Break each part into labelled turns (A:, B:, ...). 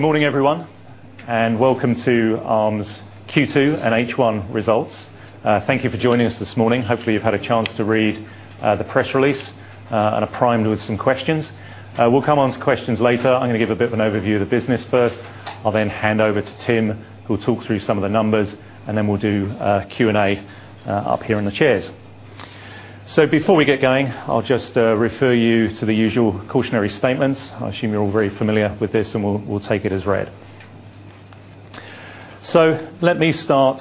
A: Good morning, everyone, and welcome to Arm's Q2 and H1 results. Thank you for joining us this morning. Hopefully, you've had a chance to read the press release and are primed with some questions. We'll come on to questions later. I'm going to give a bit of an overview of the business first. I'll then hand over to Tim, who will talk through some of the numbers, and then we'll do Q&A up here in the chairs. Before we get going, I'll just refer you to the usual cautionary statements. I assume you're all very familiar with this, and we'll take it as read. Let me start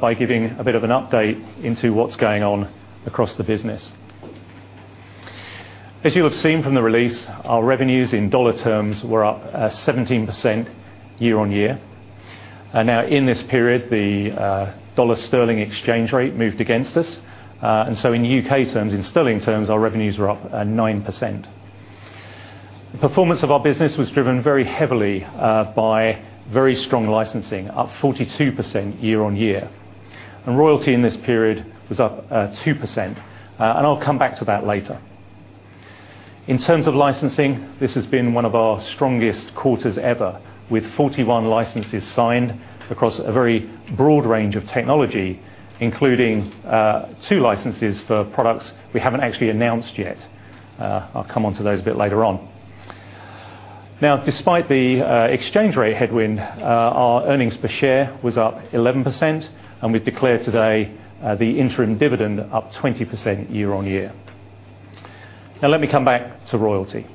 A: by giving a bit of an update into what's going on across the business. As you have seen from the release, our revenues in dollar terms were up 17% year-on-year. In this period, the dollar sterling exchange rate moved against us. In U.K. terms, in sterling terms, our revenues were up 9%. The performance of our business was driven very heavily by very strong licensing, up 42% year-on-year. Royalty in this period was up 2%, and I'll come back to that later. In terms of licensing, this has been one of our strongest quarters ever, with 41 licenses signed across a very broad range of technology, including two licenses for products we haven't actually announced yet. I'll come on to those a bit later on. Despite the exchange rate headwind, our earnings per share was up 11%, and we've declared today the interim dividend up 20% year-on-year. Let me come back to royalty.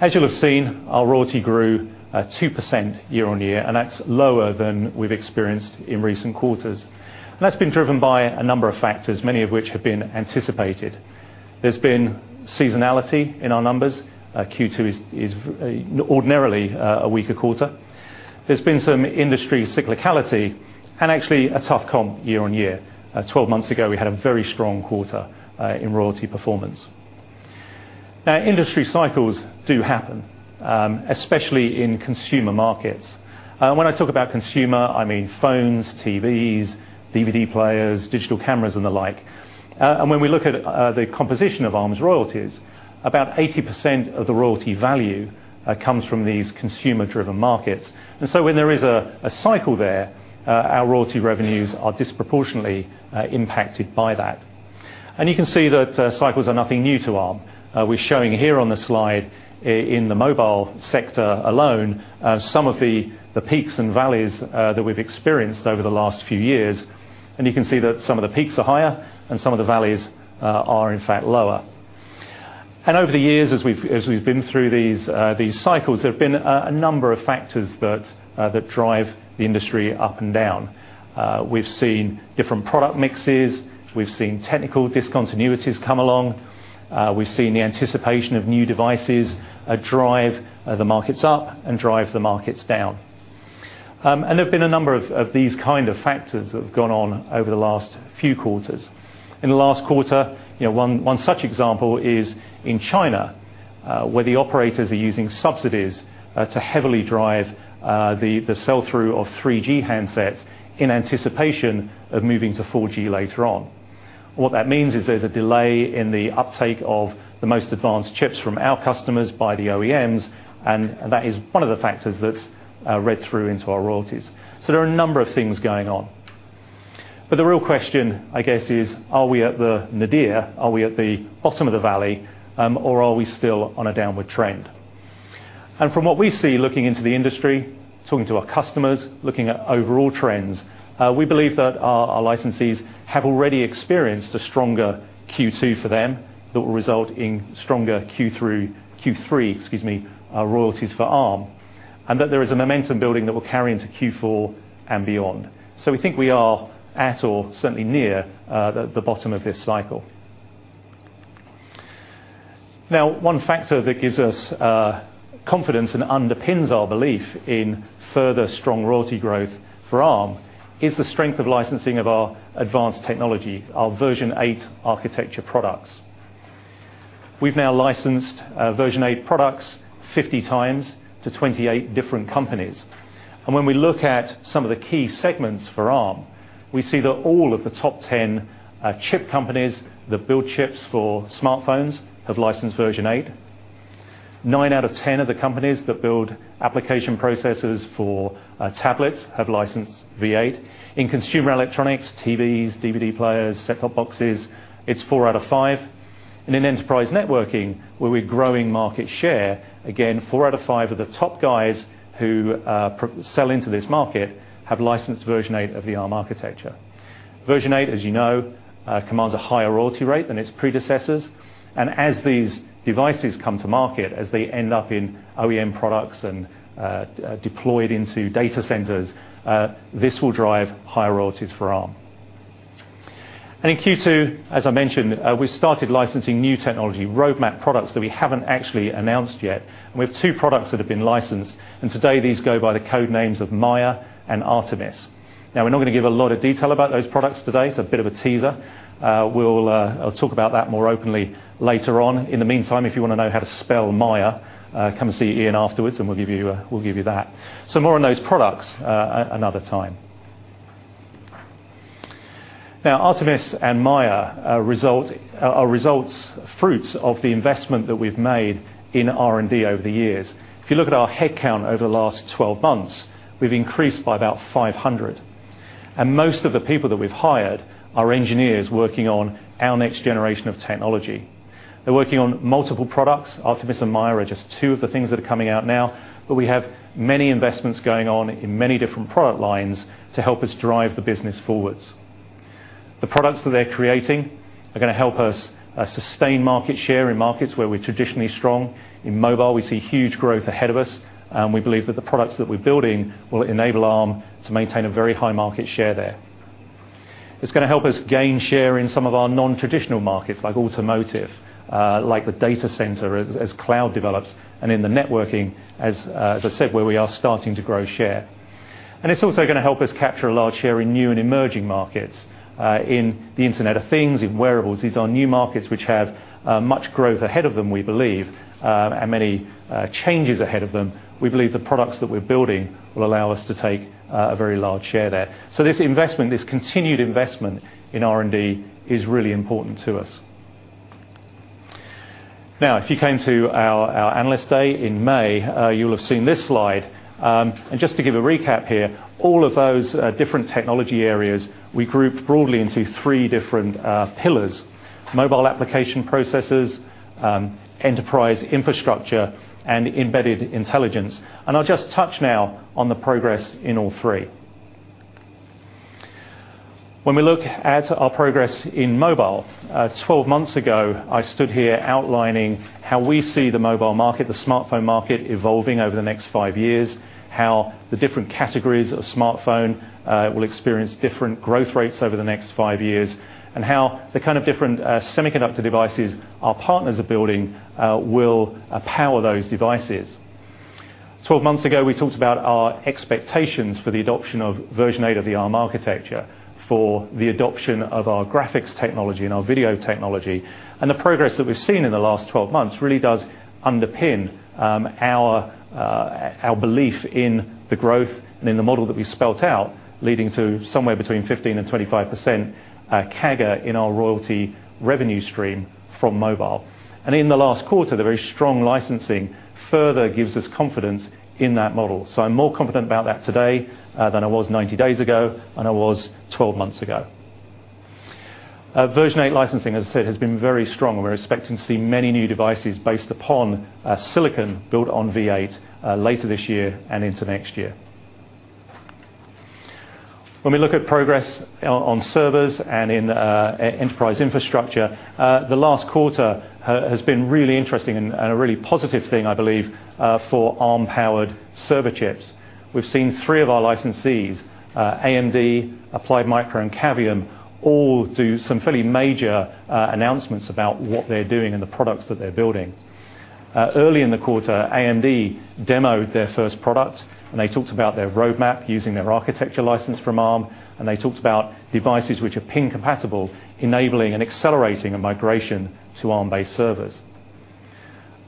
A: As you'll have seen, our royalty grew 2% year-on-year, and that's lower than we've experienced in recent quarters. That's been driven by a number of factors, many of which have been anticipated. There's been seasonality in our numbers. Q2 is ordinarily a weaker quarter. There's been some industry cyclicality and actually a tough comp year-on-year. 12 months ago, we had a very strong quarter in royalty performance. Industry cycles do happen, especially in consumer markets. When I talk about consumer, I mean phones, TVs, DVD players, digital cameras, and the like. When we look at the composition of Arm's royalties, about 80% of the royalty value comes from these consumer-driven markets. When there is a cycle there, our royalty revenues are disproportionately impacted by that. You can see that cycles are nothing new to Arm. We're showing here on the slide, in the mobile sector alone, some of the peaks and valleys that we've experienced over the last few years, and you can see that some of the peaks are higher and some of the valleys are, in fact, lower. Over the years, as we've been through these cycles, there have been a number of factors that drive the industry up and down. We've seen different product mixes. We've seen technical discontinuities come along. We've seen the anticipation of new devices drive the markets up and drive the markets down. There have been a number of these kind of factors that have gone on over the last few quarters. In the last quarter, one such example is in China, where the operators are using subsidies to heavily drive the sell-through of 3G handsets in anticipation of moving to 4G later on. What that means is there's a delay in the uptake of the most advanced chips from our customers by the OEMs, and that is one of the factors that read through into our royalties. There are a number of things going on. The real question, I guess, is, are we at the nadir? Are we at the bottom of the valley? Are we still on a downward trend? From what we see looking into the industry, talking to our customers, looking at overall trends, we believe that our licensees have already experienced a stronger Q2 for them that will result in stronger Q3 royalties for Arm, and there is a momentum building that will carry into Q4 and beyond. We think we are at or certainly near the bottom of this cycle. One factor that gives us confidence and underpins our belief in further strong royalty growth for Arm is the strength of licensing of our advanced technology, our Version 8 architecture products. We've now licensed Version 8 products 50 times to 28 different companies. When we look at some of the key segments for Arm, we see that all of the top 10 chip companies that build chips for smartphones have licensed Version 8. Nine out of 10 of the companies that build application processors for tablets have licensed Version 8. In consumer electronics, TVs, DVD players, set-top boxes, it's four out of five. In enterprise networking, where we're growing market share, again, four out of five of the top guys who sell into this market have licensed Version 8 of the Arm architecture. Version 8, as you know, commands a higher royalty rate than its predecessors. As these devices come to market, as they end up in OEM products and deployed into data centers, this will drive higher royalties for Arm. In Q2, as I mentioned, we started licensing new technology roadmap products that we haven't actually announced yet. We have two products that have been licensed, and today these go by the code names of Maya and Artemis. We're not going to give a lot of detail about those products today. It's a bit of a teaser. I'll talk about that more openly later on. In the meantime, if you want to know how to spell Maya, come and see Ian afterwards, and we'll give you that. More on those products another time. Artemis and Maya are results, fruits of the investment that we've made in R&D over the years. If you look at our headcount over the last 12 months, we've increased by about 500. Most of the people that we've hired are engineers working on our next generation of technology. They're working on multiple products. Artemis and Maya are just two of the things that are coming out now. We have many investments going on in many different product lines to help us drive the business forwards. The products that they're creating are going to help us sustain market share in markets where we're traditionally strong. In mobile, we see huge growth ahead of us. We believe that the products that we're building will enable Arm to maintain a very high market share there. It's going to help us gain share in some of our non-traditional markets like automotive, like the data center, as cloud develops, and in the networking, as I said, where we are starting to grow share. It's also going to help us capture a large share in new and emerging markets, in the Internet of Things, in wearables. These are new markets which have much growth ahead of them, we believe, and many changes ahead of them. We believe the products that we're building will allow us to take a very large share there. This investment, this continued investment in R&D is really important to us. Now, if you came to our Analyst Day in May, you'll have seen this slide. Just to give a recap here, all of those different technology areas we grouped broadly into three different pillars: mobile application processors, enterprise infrastructure, and embedded intelligence. I'll just touch now on the progress in all three. When we look at our progress in mobile, 12 months ago, I stood here outlining how we see the mobile market, the smartphone market, evolving over the next five years, how the different categories of smartphone will experience different growth rates over the next five years, and how the kind of different semiconductor devices our partners are building will power those devices. 12 months ago, we talked about our expectations for the adoption of Version 8 of the Arm architecture, for the adoption of our graphics technology and our video technology. The progress that we've seen in the last 12 months really does underpin our belief in the growth and in the model that we spelt out, leading to somewhere between 15%-25% CAGR in our royalty revenue stream from mobile. In the last quarter, the very strong licensing further gives us confidence in that model. I'm more confident about that today than I was 90 days ago and I was 12 months ago. Version 8 licensing, as I said, has been very strong. We're expecting to see many new devices based upon silicon built on v8 later this year and into next year. When we look at progress on servers and in enterprise infrastructure, the last quarter has been really interesting and a really positive thing, I believe, for Arm-powered server chips. We've seen three of our licensees, AMD, Applied Micro, and Cavium, all do some fairly major announcements about what they're doing and the products that they're building. Early in the quarter, AMD demoed their first product, they talked about their roadmap using their architecture license from Arm, and they talked about devices which are pin compatible, enabling and accelerating a migration to Arm-based servers.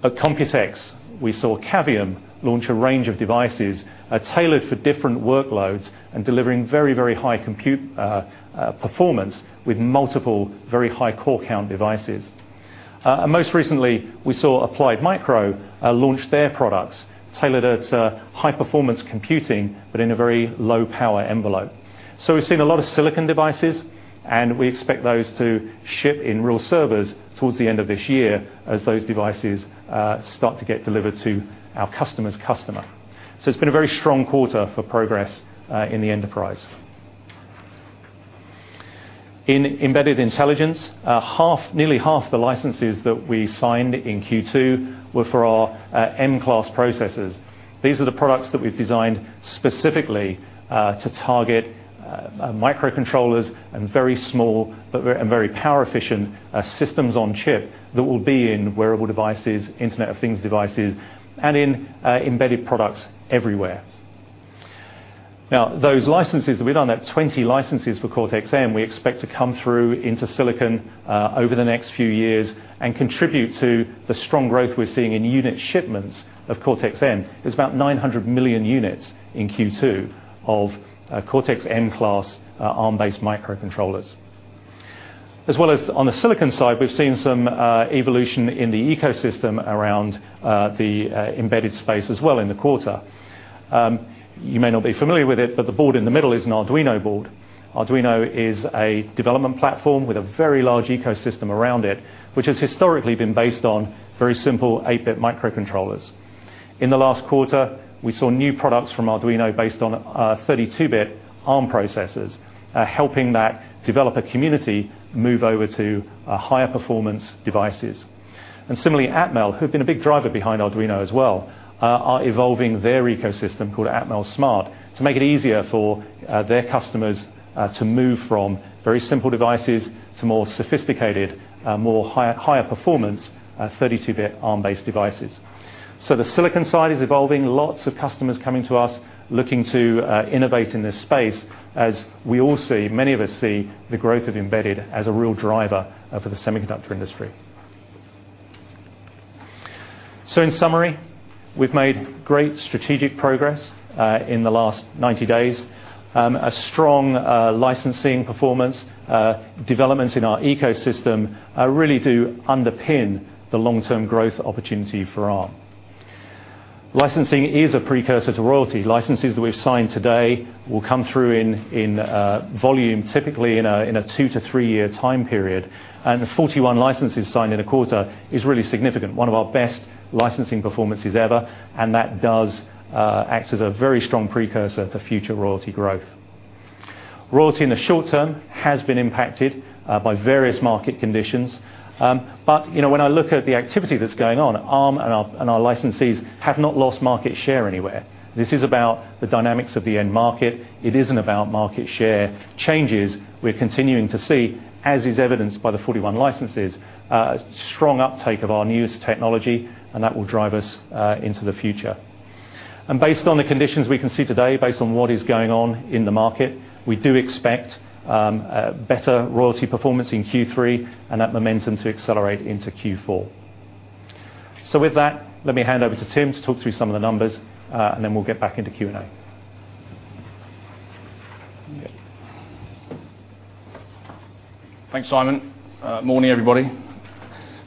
A: At Computex, we saw Cavium launch a range of devices tailored for different workloads and delivering very high compute performance with multiple very high core count devices. Most recently, we saw Applied Micro launch their products tailored at high-performance computing, but in a very low power envelope. We've seen a lot of silicon devices, and we expect those to ship in real servers towards the end of this year as those devices start to get delivered to our customer's customer. It's been a very strong quarter for progress in the enterprise. In embedded intelligence, nearly half the licenses that we signed in Q2 were for our M-class processors. These are the products that we've designed specifically to target microcontrollers and very small and very power-efficient systems on chip that will be in wearable devices, Internet of Things devices, and in embedded products everywhere. Those licenses, we've done that 20 licenses for Cortex-M, we expect to come through into silicon over the next few years and contribute to the strong growth we're seeing in unit shipments of Cortex-M. It's about 900 million units in Q2 of Cortex-M-class Arm-based microcontrollers. As well as on the silicon side, we've seen some evolution in the ecosystem around the embedded space as well in the quarter. You may not be familiar with it, the board in the middle is an Arduino board. Arduino is a development platform with a very large ecosystem around it, which has historically been based on very simple eight-bit microcontrollers. In the last quarter, we saw new products from Arduino based on 32-bit Arm processors, helping that developer community move over to higher performance devices. Similarly, Atmel, who've been a big driver behind Arduino as well, are evolving their ecosystem called Atmel | SMART to make it easier for their customers to move from very simple devices to more sophisticated, more higher performance 32-bit Arm-based devices. The silicon side is evolving. Lots of customers coming to us looking to innovate in this space. We all see, many of us see the growth of embedded as a real driver for the semiconductor industry. In summary, we've made great strategic progress in the last 90 days. A strong licensing performance, developments in our ecosystem, really do underpin the long-term growth opportunity for Arm. Licensing is a precursor to royalty. Licenses that we've signed today will come through in volume, typically in a two to three-year time period. 41 licenses signed in a quarter is really significant, one of our best licensing performances ever, and that does act as a very strong precursor to future royalty growth. Royalty in the short term has been impacted by various market conditions. When I look at the activity that's going on, Arm and our licensees have not lost market share anywhere. This is about the dynamics of the end market. It isn't about market share changes we're continuing to see, as is evidenced by the 41 licenses, strong uptake of our newest technology, and that will drive us into the future. Based on the conditions we can see today, based on what is going on in the market, we do expect better royalty performance in Q3 and that momentum to accelerate into Q4. With that, let me hand over to Tim to talk through some of the numbers, and then we'll get back into Q&A.
B: Thanks, Simon. Morning, everybody.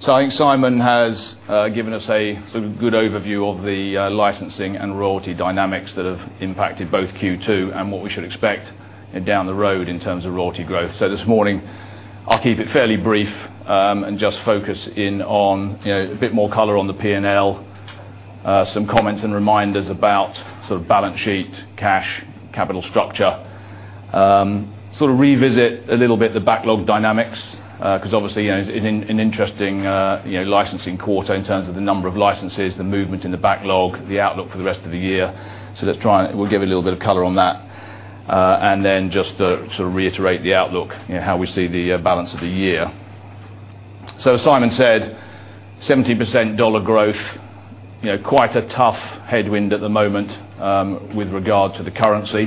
B: I think Simon has given us a good overview of the licensing and royalty dynamics that have impacted both Q2 and what we should expect down the road in terms of royalty growth. This morning, I'll keep it fairly brief, and just focus in on a bit more color on the P&L. Some comments and reminders about balance sheet, cash, capital structure. Sort of revisit a little bit the backlog dynamics, because obviously, it's an interesting licensing quarter in terms of the number of licenses, the movement in the backlog, the outlook for the rest of the year. We'll give a little bit of color on that. Just to reiterate the outlook, how we see the balance of the year. As Simon said, 17% dollar growth. Quite a tough headwind at the moment with regard to the currency.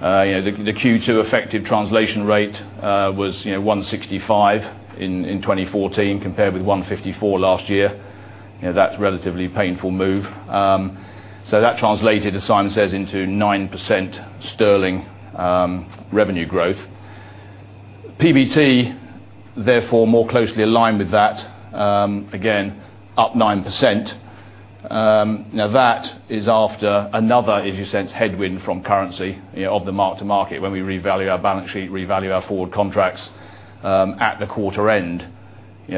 B: The Q2 effective translation rate was 165 in 2014 compared with 154 last year. That's a relatively painful move. That translated, as Simon says, into 9% sterling revenue growth. PBT, therefore, more closely aligned with that, again up 9%. Now that is after another, if you sense headwind from currency, of the mark-to-market when we revalue our balance sheet, revalue our forward contracts at the quarter end. The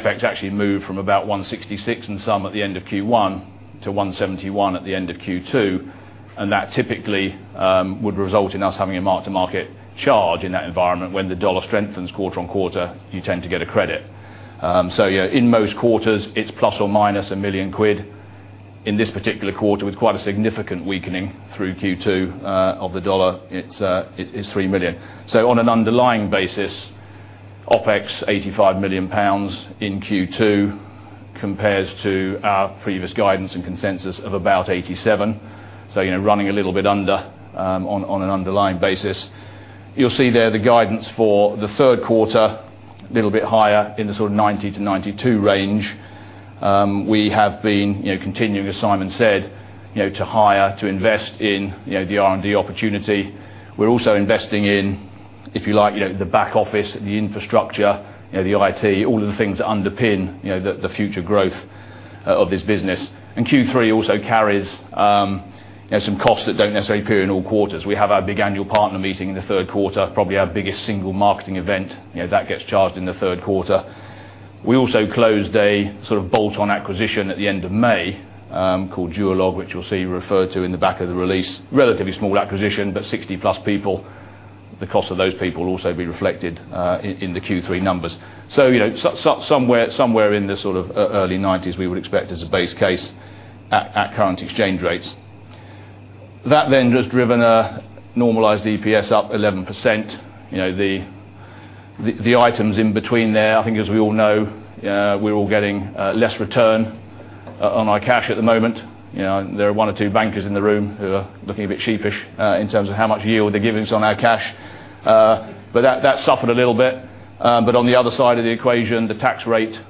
B: FX actually moved from about 166 and some at the end of Q1 to 171 at the end of Q2, that typically would result in us having a mark-to-market charge in that environment. When the dollar strengthens quarter-on-quarter, you tend to get a credit. Yeah, in most quarters it's ±1 million quid. In this particular quarter, with quite a significant weakening through Q2 of the dollar, it's 3 million. On an underlying basis, OpEx 85 million pounds in Q2 compares to our previous guidance and consensus of about 87 million. Running a little bit under on an underlying basis. You'll see there the guidance for the third quarter, a little bit higher in the sort of 90 million-92 million range. We have been continuing, as Simon said, to hire, to invest in the R&D opportunity. We're also investing in, if you like, the back office, the infrastructure, the IT, all of the things that underpin the future growth of this business. Q3 also carries some costs that don't necessarily appear in all quarters. We have our big annual partner meeting in the third quarter, probably our biggest single marketing event. That gets charged in the third quarter. We also closed a sort of bolt-on acquisition at the end of May called Duolog, which you'll see referred to in the back of the release. Relatively small acquisition, but 60+ people. The cost of those people will also be reflected in the Q3 numbers. Somewhere in the sort of early 90 million we would expect as a base case at current exchange rates. That has driven a normalized EPS up 11%. The items in between there, I think as we all know, we're all getting less return on our cash at the moment. There are one or two bankers in the room who are looking a bit sheepish in terms of how much yield they're giving us on our cash. That suffered a little bit. On the other side of the equation, the tax rate is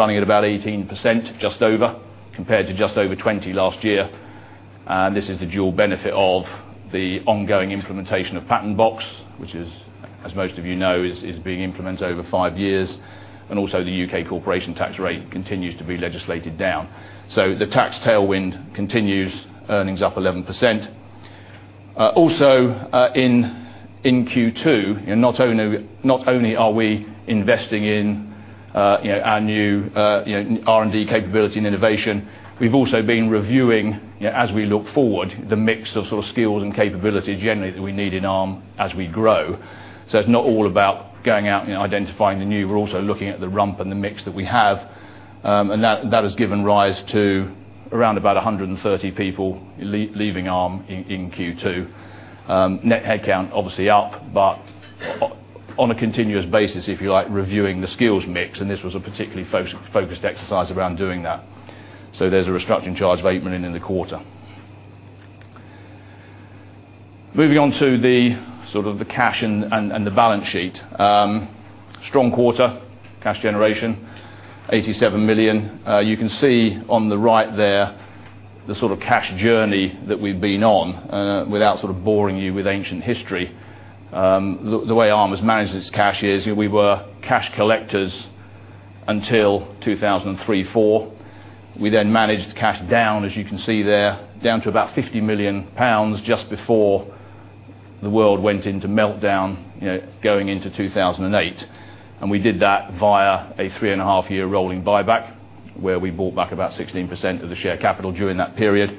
B: running at about 18%, just over, compared to just over 20% last year. This is the dual benefit of the ongoing implementation of Patent Box, which, as most of you know, is being implemented over 5 years, and also the U.K. corporation tax rate continues to be legislated down. So the tax tailwind continues, earnings up 11%. Also, in Q2, not only are we investing in our new R&D capability and innovation, we have also been reviewing, as we look forward, the mix of sort of skills and capability generally that we need in Arm as we grow. So it is not all about going out and identifying the new. We are also looking at the rump and the mix that we have. And that has given rise to around about 130 people leaving Arm in Q2. Net head count obviously up, on a continuous basis, if you like, reviewing the skills mix, and this was a particularly focused exercise around doing that. So there is a restructuring charge of 8 million in the quarter. Moving on to the cash and the balance sheet. Strong quarter. Cash generation, 87 million. You can see on the right there the sort of cash journey that we have been on. Without boring you with ancient history, the way Arm has managed its cash is we were cash collectors until 2003, 2004. We then managed cash down, as you can see there, down to about 50 million pounds just before the world went into meltdown going into 2008. And we did that via a 3 and a half year rolling buyback, where we bought back about 16% of the share capital during that period.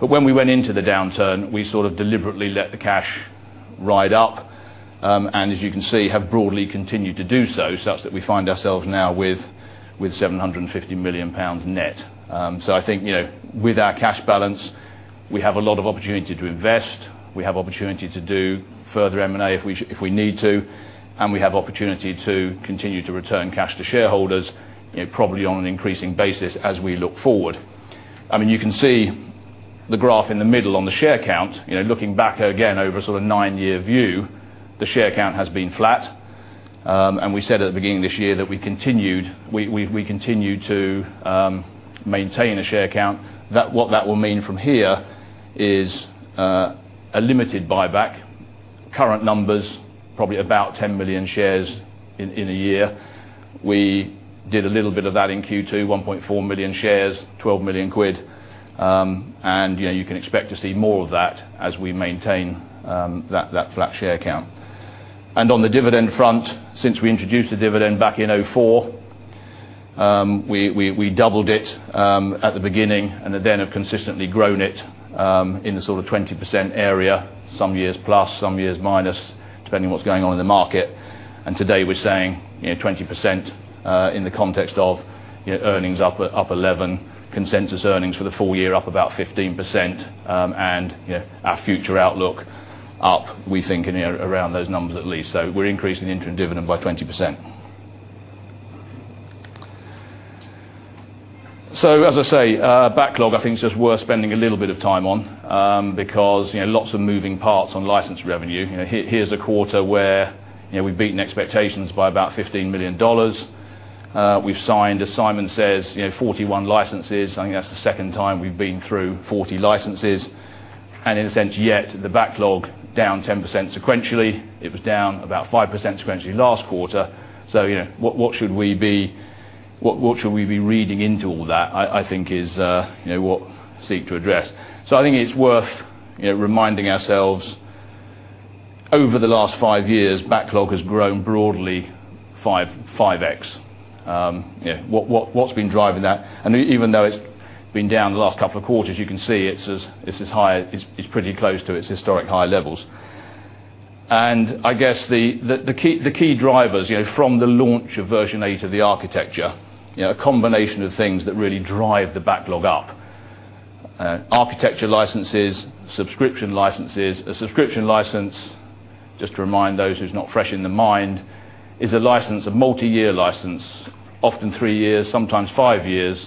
B: When we went into the downturn, we sort of deliberately let the cash ride up, and as you can see, have broadly continued to do so, such that we find ourselves now with 750 million pounds net. So I think, with our cash balance, we have a lot of opportunity to invest. We have opportunity to do further M&A if we need to. And we have opportunity to continue to return cash to shareholders, probably on an increasing basis as we look forward. You can see the graph in the middle on the share count. Looking back again over a nine-year view, the share count has been flat. And we said at the beginning of this year that we continued to maintain a share count. What that will mean from here is a limited buyback. Current numbers, probably about 10 million shares in a year. We did a little bit of that in Q2, 1.4 million shares, 12 million quid. And you can expect to see more of that as we maintain that flat share count. And on the dividend front, since we introduced the dividend back in 2004, we doubled it at the beginning, and then have consistently grown it in the sort of 20% area. Some years plus, some years minus, depending what is going on in the market. And today, we are saying 20% in the context of earnings up 11%, consensus earnings for the full year up about 15%, and our future outlook up, we think, around those numbers at least. So we are increasing the interim dividend by 20%. So as I say, backlog I think is just worth spending a little bit of time on. Because lots of moving parts on license revenue. Here's a quarter where we've beaten expectations by about GBP 15 million. We've signed, as Simon says, 41 licenses. I think that's the second time we've been through 40 licenses. In a sense yet, the backlog down 10% sequentially. It was down about 5% sequentially last quarter. What should we be reading into all that, I think is what I'll seek to address. I think it's worth reminding ourselves over the last five years, backlog has grown broadly 5x. What's been driving that? Even though it's been down the last couple of quarters, you can see it's pretty close to its historic high levels. I guess, the key drivers from the launch of version 8 of the architecture, a combination of things that really drive the backlog up. Architecture licenses, subscription licenses. A subscription license, just to remind those who's not fresh in the mind, is a multi-year license. Often three years, sometimes five years,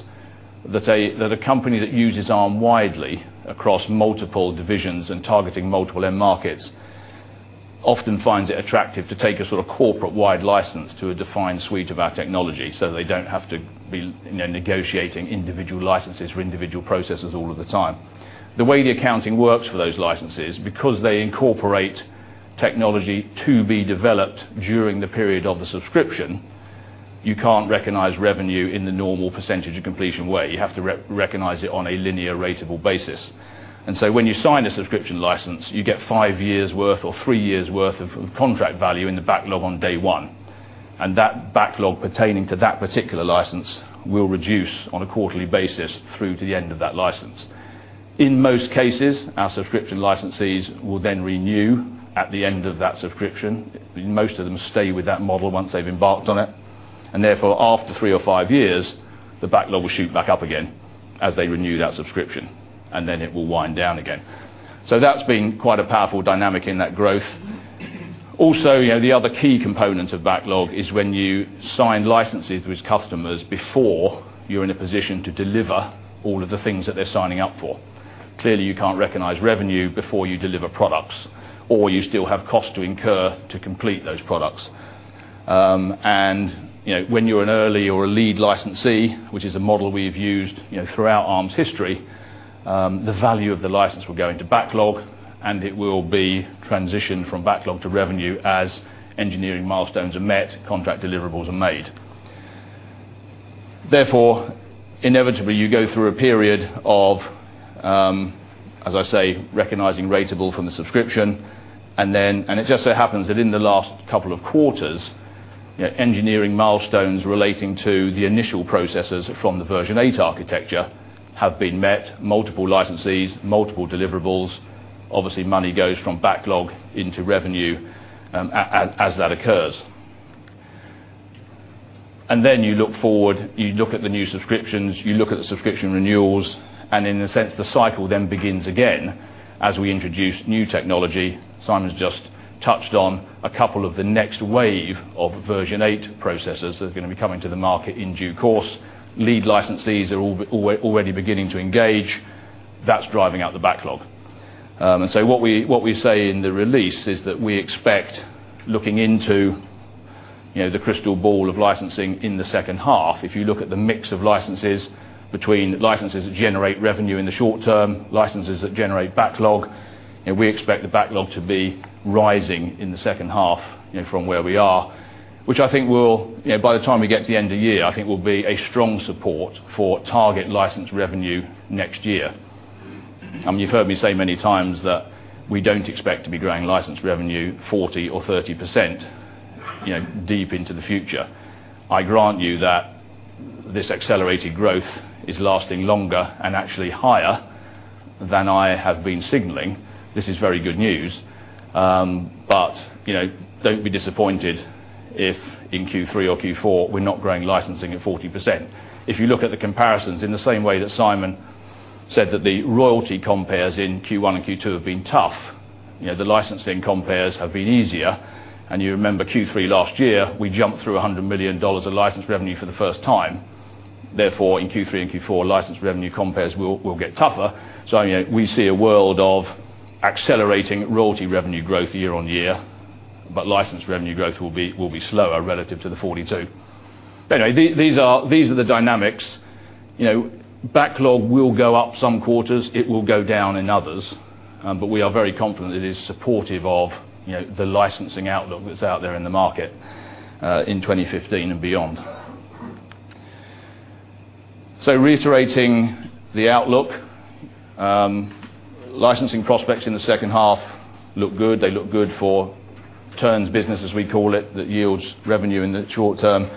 B: that a company that uses Arm widely across multiple divisions and targeting multiple end markets often finds it attractive to take a sort of corporate-wide license to a defined suite of our technology. They don't have to be negotiating individual licenses for individual processors all of the time. The way the accounting works for those licenses, because they incorporate technology to be developed during the period of the subscription, you can't recognize revenue in the normal percentage of completion way. You have to recognize it on a linear ratable basis. When you sign a subscription license, you get five years' worth or three years' worth of contract value in the backlog on day one. That backlog pertaining to that particular license will reduce on a quarterly basis through to the end of that license. In most cases, our subscription licensees will then renew at the end of that subscription. Most of them stay with that model once they've embarked on it. After three or five years, the backlog will shoot back up again as they renew that subscription, and then it will wind down again. That's been quite a powerful dynamic in that growth. Also, the other key component of backlog is when you sign licenses with customers before you're in a position to deliver all of the things that they're signing up for. Clearly, you can't recognize revenue before you deliver products, or you still have costs to incur to complete those products. When you're an early or a lead licensee, which is a model we've used throughout Arm's history, the value of the license will go into backlog. It will be transitioned from backlog to revenue as engineering milestones are met, contract deliverables are made. Therefore, inevitably, you go through a period of, as I say, recognizing ratable from the subscription. It just so happens that in the last couple of quarters, engineering milestones relating to the initial processes from the version 8 architecture have been met. Multiple licensees, multiple deliverables. Obviously, money goes from backlog into revenue as that occurs. You look forward, you look at the new subscriptions, you look at the subscription renewals. In a sense, the cycle then begins again as we introduce new technology. Simon's just touched on a couple of the next wave of ARMv8 processors that are going to be coming to the market in due course. Lead licensees are already beginning to engage. That's driving out the backlog. What we say in the release is that we expect looking into the crystal ball of licensing in the second half, if you look at the mix of licenses between licenses that generate revenue in the short term, licenses that generate backlog, we expect the backlog to be rising in the second half from where we are, which I think by the time we get to the end of year, I think will be a strong support for target license revenue next year. You've heard me say many times that we don't expect to be growing license revenue 40% or 30% deep into the future. I grant you that this accelerated growth is lasting longer and actually higher than I have been signaling. This is very good news. Don't be disappointed if in Q3 or Q4, we're not growing licensing at 40%. If you look at the comparisons in the same way that Simon said that the royalty compares in Q1 and Q2 have been tough. The licensing compares have been easier. You remember Q3 last year, we jumped through GBP 100 million of license revenue for the first time. Therefore, in Q3 and Q4, license revenue compares will get tougher. We see a world of accelerating royalty revenue growth year-over-year, but license revenue growth will be slower relative to the 42. Anyway, these are the dynamics. Backlog will go up some quarters, it will go down in others. We are very confident it is supportive of the licensing outlook that's out there in the market, in 2015 and beyond. Reiterating the outlook. Licensing prospects in the second half look good. They look good for turns business, as we call it, that yields revenue in the short term.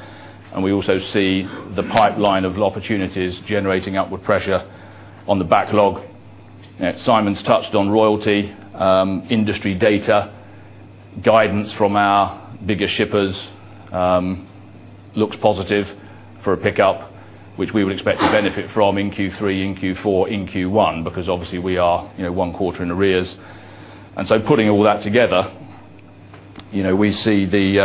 B: We also see the pipeline of opportunities generating outward pressure on the backlog. Simon's touched on royalty, industry data, guidance from our biggest shippers looks positive for a pickup, which we would expect to benefit from in Q3, in Q4, in Q1, because obviously we are one quarter in arrears. Putting all that together, we see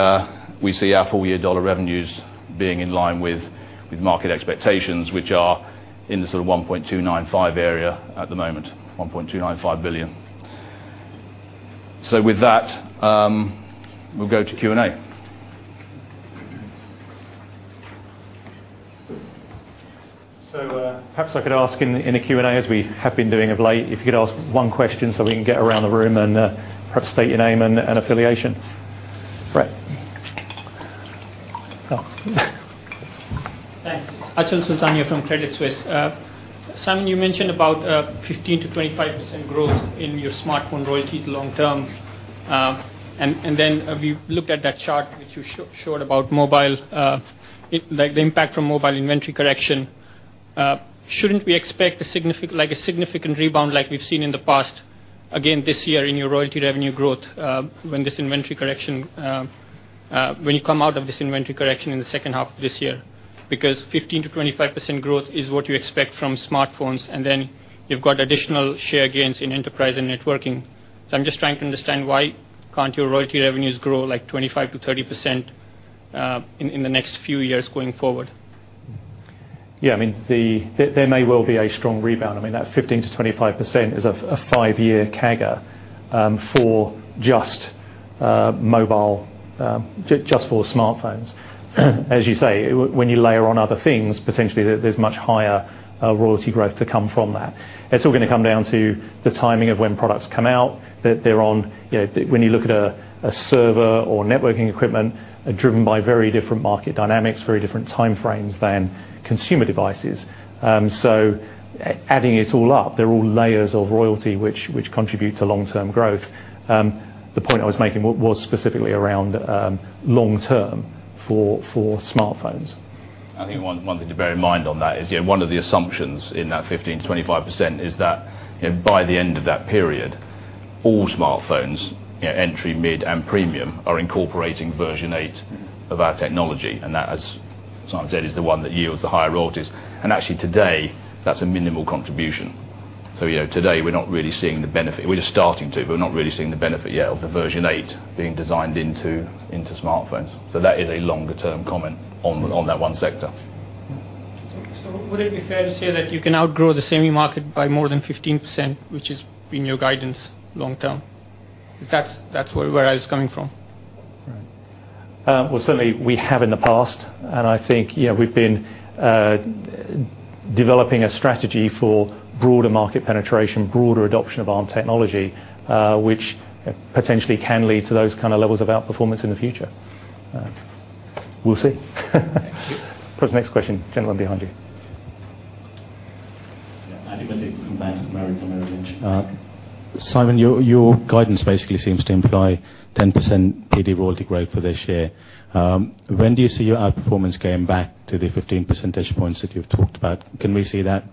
B: our full year USD revenues being in line with market expectations, which are in the sort of $1.295 billion area at the moment, $1.295 billion. With that, we'll go to Q&A.
A: Perhaps I could ask in a Q&A, as we have been doing of late, if you could ask one question so we can get around the room and perhaps state your name and affiliation. Right. Oh.
C: Thanks. Achal Sutaria from Credit Suisse. Simon, you mentioned about 15%-25% growth in your smartphone royalties long term. We looked at that chart which you showed about mobile, like the impact from mobile inventory correction. Shouldn't we expect a significant rebound like we've seen in the past again this year in your royalty revenue growth, when you come out of this inventory correction in the second half of this year? 15%-25% growth is what you expect from smartphones, and then you've got additional share gains in enterprise and networking. I'm just trying to understand why can't your royalty revenues grow, like 25%-30%, in the next few years going forward?
A: Yeah, there may well be a strong rebound. That 15%-25% is a five-year CAGR for just for smartphones. As you say, when you layer on other things, potentially there's much higher royalty growth to come from that. It's all going to come down to the timing of when products come out. When you look at a server or networking equipment, are driven by very different market dynamics, very different time frames than consumer devices. Adding it all up, they're all layers of royalty, which contribute to long-term growth. The point I was making was specifically around long term for smartphones.
B: I think one thing to bear in mind on that is one of the assumptions in that 15%-25% is that by the end of that period, all smartphones, entry, mid, and premium, are incorporating version 8 of our technology, and that, as Simon said, is the one that yields the higher royalties. Actually today, that's a minimal contribution. Today we're just starting to, but we're not really seeing the benefit yet of the version 8 being designed into smartphones. That is a longer-term comment on that one sector.
C: Would it be fair to say that you can outgrow the semi market by more than 15%, which has been your guidance long term? That's where I was coming from.
A: Right. Well, certainly we have in the past, and I think we've been developing a strategy for broader market penetration, broader adoption of Arm technology, which potentially can lead to those kind of levels of outperformance in the future. We'll see.
C: Thank you.
A: For the next question. Gentleman behind you.
D: Yeah. Aditya Misra from Bank of America, Merrill Lynch. Simon, your guidance basically seems to imply 10% PD royalty growth for this year. When do you see your outperformance getting back to the 15 percentage points that you've talked about? Can we see that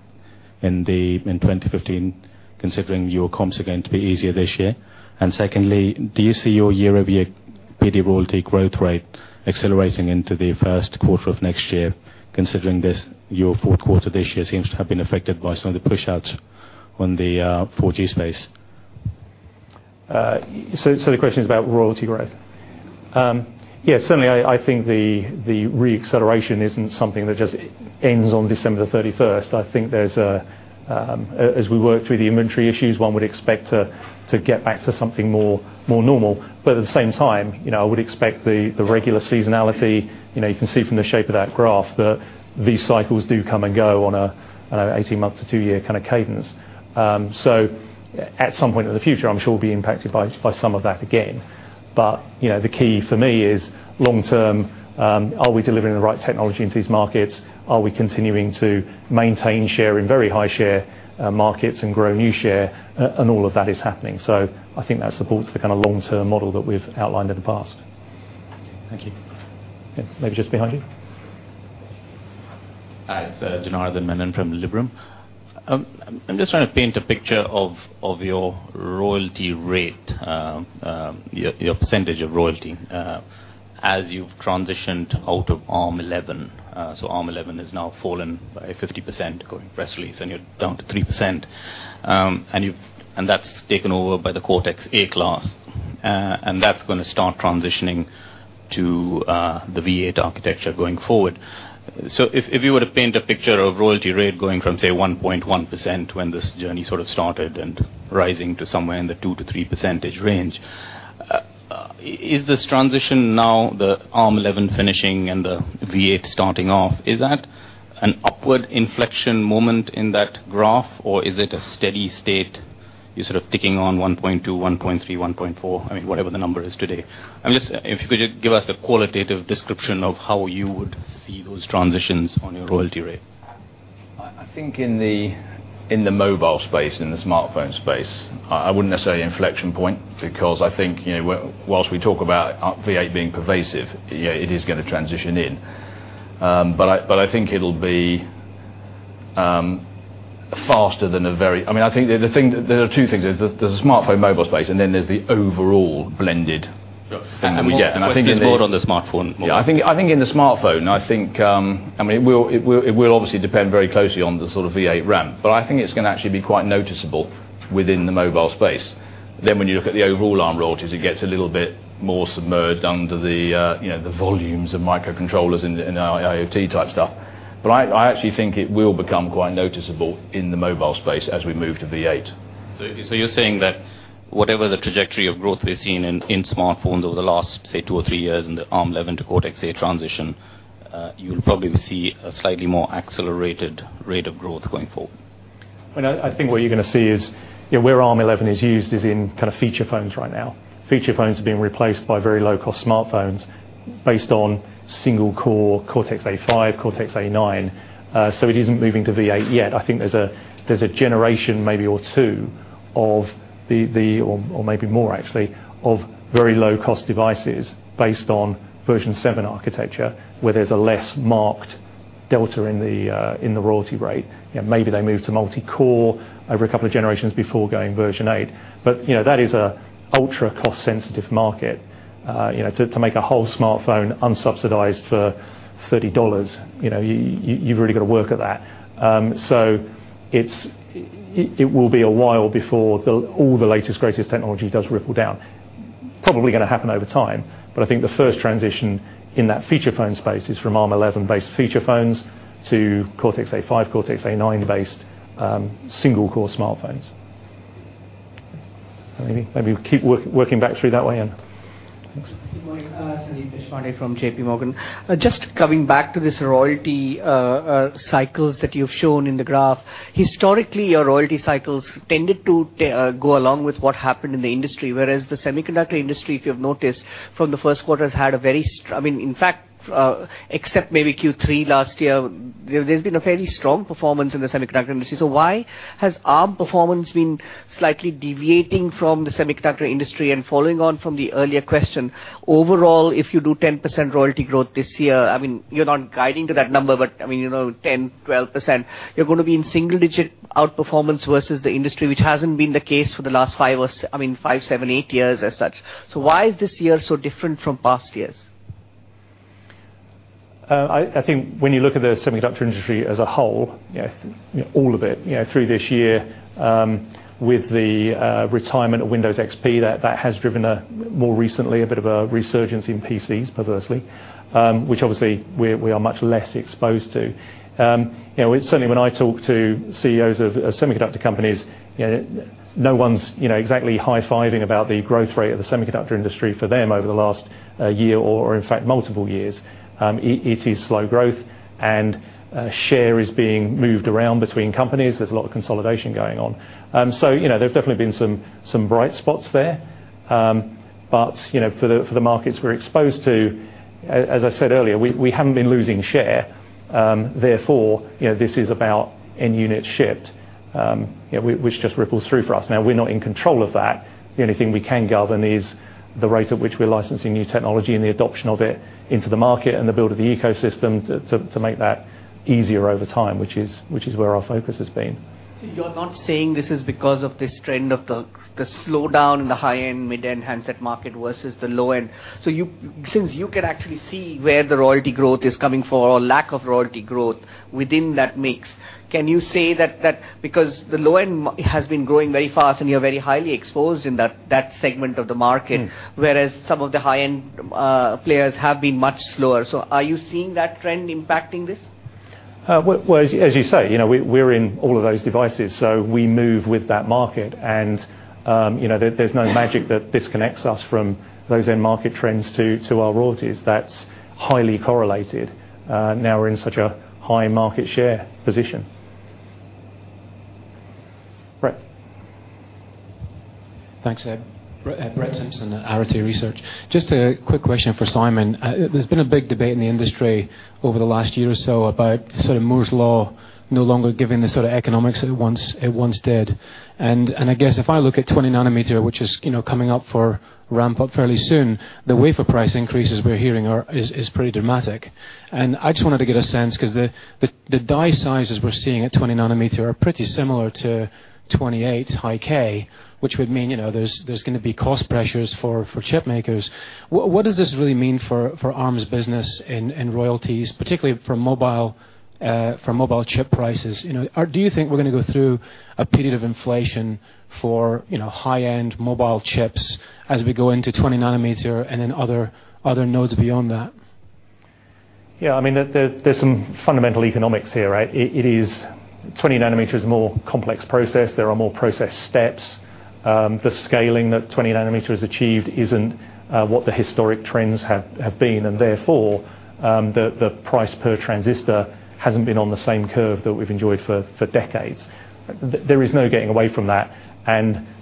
D: in 2015, considering your comps are going to be easier this year? Secondly, do you see your year-over-year PD royalty growth rate accelerating into the first quarter of next year, considering this, your fourth quarter this year seems to have been affected by some of the push-outs on the 4G space.
A: The question is about royalty growth. Yes, certainly, I think the re-acceleration isn't something that just ends on December 31st. I think as we work through the inventory issues, one would expect to get back to something more normal. At the same time, I would expect the regular seasonality. You can see from the shape of that graph that these cycles do come and go on an 18-month to two-year kind of cadence. At some point in the future, I'm sure we'll be impacted by some of that again. The key for me is long-term, are we delivering the right technology into these markets? Are we continuing to maintain share in very high-share markets and grow new share? All of that is happening. I think that supports the kind of long-term model that we've outlined in the past.
E: Thank you.
A: Yeah. Maybe just behind you.
F: It's Janardan Menon from Liberum. I'm just trying to paint a picture of your royalty rate, your percentage of royalty, as you've transitioned out of ARM11. ARM11 has now fallen by 50% according to press release, and you're down to 3%. That's taken over by the Cortex-A class. That's going to start transitioning to the v8 architecture going forward. If you were to paint a picture of royalty rate going from, say, 1.1% when this journey sort of started and rising to somewhere in the 2%-3% range, is this transition now, the ARM11 finishing and the v8 starting off, is that an upward inflection moment in that graph, or is it a steady state, you're sort of ticking on 1.2, 1.3, 1.4, I mean, whatever the number is today? If you could just give us a qualitative description of how you would see those transitions on your royalty rate.
B: I think in the mobile space, in the smartphone space, I wouldn't necessarily inflection point because I think whilst we talk about v8 being pervasive, yeah, it is going to transition in. I think it'll be faster than. There are two things. There's the smartphone mobile space, and then there's the overall blended. We get-
F: Sure. The question is more on the smartphone mobile.
B: Yeah, I think in the smartphone, it will obviously depend very closely on the sort of v8 RAM. I think it's going to actually be quite noticeable within the mobile space. When you look at the overall Arm royalties, it gets a little bit more submerged under the volumes of microcontrollers and IoT type stuff. I actually think it will become quite noticeable in the mobile space as we move to v8.
F: You're saying that whatever the trajectory of growth we've seen in smartphones over the last, say, two or three years in the ARM11 to Cortex-A transition, you'll probably see a slightly more accelerated rate of growth going forward?
A: I think what you're going to see is where ARM11 is used is in kind of feature phones right now. Feature phones are being replaced by very low-cost smartphones based on single-core Cortex-A5, Cortex-A9. It isn't moving to v8 yet. I think there's a generation maybe or two, or maybe more actually, of very low-cost devices based on ARMv7 architecture, where there's a less marked delta in the royalty rate. Maybe they move to multi-core over a couple of generations before going version 8. That is an ultra cost-sensitive market. To make a whole smartphone unsubsidized for GBP 30, you've really got to work at that. It will be a while before all the latest, greatest technology does ripple down. Probably going to happen over time, I think the first transition in that feature phone space is from ARM11-based feature phones to Cortex-A5, Cortex-A9-based single-core smartphones. Maybe keep working back through that way, next.
E: Good morning. Sandeep Deshpande from JPMorgan. Just coming back to this royalty cycles that you've shown in the graph. Historically, your royalty cycles tended to go along with what happened in the industry, whereas the semiconductor industry, if you have noticed from the first quarters, had a very strong performance in the semiconductor industry. Why has Arm performance been slightly deviating from the semiconductor industry? Following on from the earlier question, overall, if you do 10% royalty growth this year, I mean, you're not guiding to that number, but 10%, 12%, you're going to be in single-digit outperformance versus the industry, which hasn't been the case for the last five, seven, eight years as such. Why is this year so different from past years?
A: I think when you look at the semiconductor industry as a whole, all of it, through this year, with the retirement of Windows XP, that has driven, more recently, a bit of a resurgence in PCs, perversely, which obviously we are much less exposed to. Certainly when I talk to CEOs of semiconductor companies, no one's exactly high-fiving about the growth rate of the semiconductor industry for them over the last year or, in fact, multiple years. It is slow growth, and share is being moved around between companies. There's a lot of consolidation going on. There's definitely been some bright spots there. But for the markets we're exposed to, as I said earlier, we haven't been losing share. Therefore, this is about end unit shipped which just ripples through for us. Now, we're not in control of that. The only thing we can govern is the rate at which we're licensing new technology and the adoption of it into the market and the build of the ecosystem to make that easier over time, which is where our focus has been.
E: You're not saying this is because of this trend of the slowdown in the high-end, mid-end handset market versus the low end. Since you can actually see where the royalty growth is coming for or lack of royalty growth within that mix? Can you say that because the low end has been growing very fast and you're very highly exposed in that segment of the market, whereas some of the high-end players have been much slower. Are you seeing that trend impacting this?
A: As you say, we're in all of those devices, so we move with that market. There's no magic that disconnects us from those end market trends to our royalties. That's highly correlated. We're in such a high market share position. Brett.
G: Thanks. Brett Simpson, Arete Research. Just a quick question for Simon. There's been a big debate in the industry over the last year or so about Moore's Law no longer giving the economics it once did. I guess if I look at 20 nanometer, which is coming up for ramp up fairly soon, the wafer price increases we're hearing is pretty dramatic. I just wanted to get a sense because the die sizes we're seeing at 20 nanometer are pretty similar to 28nm high-K, which would mean there's going to be cost pressures for chip makers. What does this really mean for Arm's business and royalties, particularly for mobile chip prices? Do you think we're going to go through a period of inflation for high-end mobile chips as we go into 20 nanometer and then other nodes beyond that?
A: There's some fundamental economics here, right? 20 nanometer is a more complex process. There are more process steps. The scaling that 20 nanometer has achieved isn't what the historic trends have been, the price per transistor hasn't been on the same curve that we've enjoyed for decades. There is no getting away from that,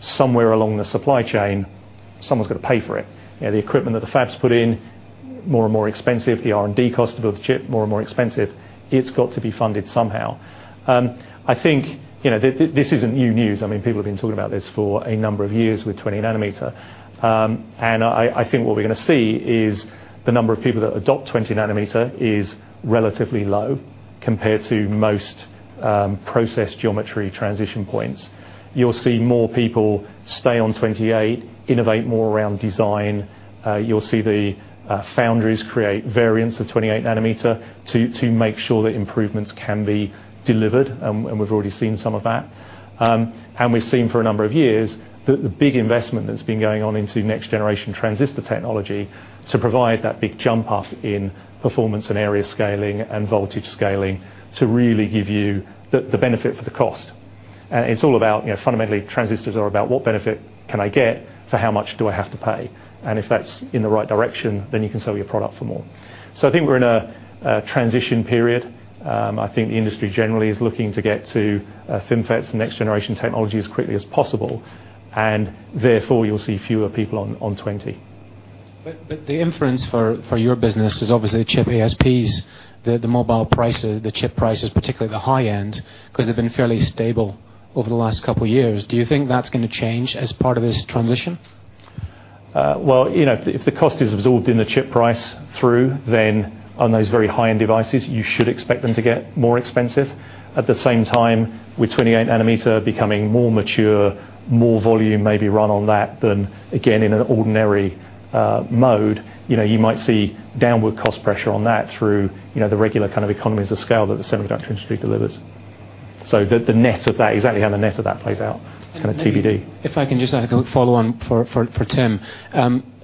A: somewhere along the supply chain, someone's got to pay for it. The equipment that the fabs put in, more and more expensive, the R&D cost of the chip, more and more expensive. It's got to be funded somehow. I think this isn't new news. People have been talking about this for a number of years with 20 nanometer. I think what we're going to see is the number of people that adopt 20 nanometer is relatively low compared to most process geometry transition points. You'll see more people stay on 28, innovate more around design. You'll see the foundries create variants of 28 nanometer to make sure that improvements can be delivered, we've already seen some of that. We've seen for a number of years the big investment that's been going on into next generation transistor technology to provide that big jump up in performance and area scaling and voltage scaling to really give you the benefit for the cost. It's all about, fundamentally, transistors are about what benefit can I get for how much do I have to pay. If that's in the right direction, you can sell your product for more. I think we're in a transition period. I think the industry generally is looking to get to FinFET's next generation technology as quickly as possible, you'll see fewer people on 20.
G: The inference for your business is obviously the chip ASPs, the mobile prices, the chip prices, particularly the high end, because they've been fairly stable over the last couple of years. Do you think that's going to change as part of this transition?
A: Well, if the cost is absorbed in the chip price through, then on those very high-end devices, you should expect them to get more expensive. At the same time, with 28 nanometer becoming more mature, more volume may be run on that than, again, in an ordinary mode. You might see downward cost pressure on that through the regular kind of economies of scale that the semiconductor industry delivers. Exactly how the net of that plays out is kind of TBD.
G: If I can just have a follow on for Tim.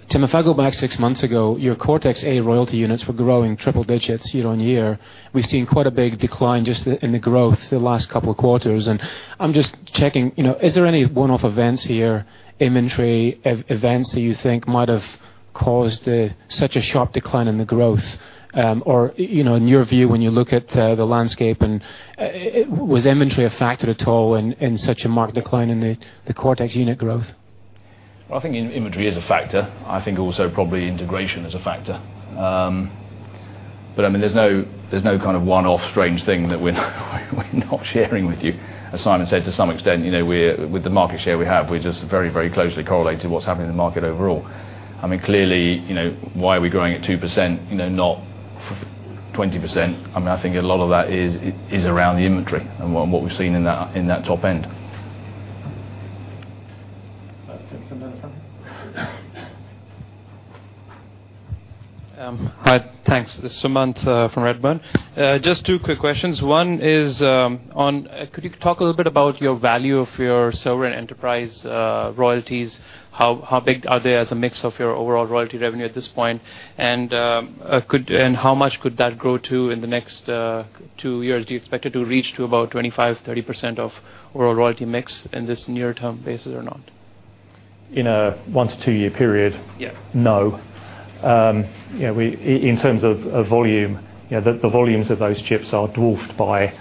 G: Tim, if I go back six months ago, your Cortex-A royalty units were growing triple digits year-on-year. We've seen quite a big decline just in the growth the last couple of quarters. I'm just checking, is there any one-off events here, inventory events that you think might have caused such a sharp decline in the growth? Or in your view, when you look at the landscape, was inventory a factor at all in such a marked decline in the Cortex unit growth?
B: Well, I think inventory is a factor. I think also probably integration is a factor. There's no kind of one-off strange thing that we're not sharing with you. As Simon said, to some extent, with the market share we have, we're just very closely correlated to what's happening in the market overall. Clearly, why are we growing at 2% not 20%? I think a lot of that is around the inventory and what we've seen in that top end.
A: Tim, another one.
H: Hi, thanks. This is Sumant from Redburn. Just two quick questions. One is could you talk a little bit about your value of your server and enterprise royalties? How big are they as a mix of your overall royalty revenue at this point? How much could that grow to in the next two years? Do you expect it to reach to about 25%-30% of overall royalty mix in this near term basis or not?
A: In a one to two-year period?
H: Yeah.
A: No. In terms of volume, the volumes of those chips are dwarfed by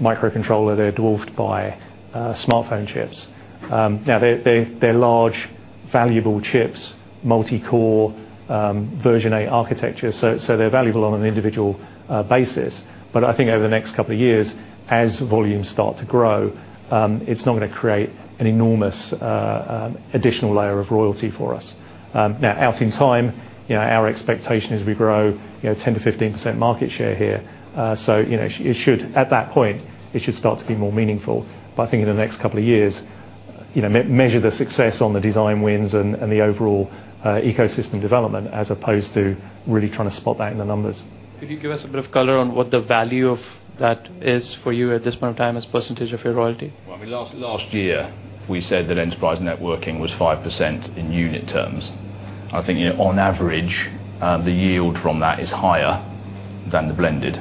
A: microcontroller. They're dwarfed by smartphone chips. Now they're large, valuable chips, multi-core Version 8 architecture, so they're valuable on an individual basis. I think over the next couple of years, as volumes start to grow, it's not going to create an enormous additional layer of royalty for us. Out in time, our expectation is we grow 10%-15% market share here. It should, at that point, it should start to be more meaningful. I think in the next couple of years.
B: Measure the success on the design wins and the overall ecosystem development, as opposed to really trying to spot that in the numbers.
H: Could you give us a bit of color on what the value of that is for you at this point in time as a percentage of your royalty?
B: Last year, we said that enterprise networking was 5% in unit terms. I think on average, the yield from that is higher than the blended.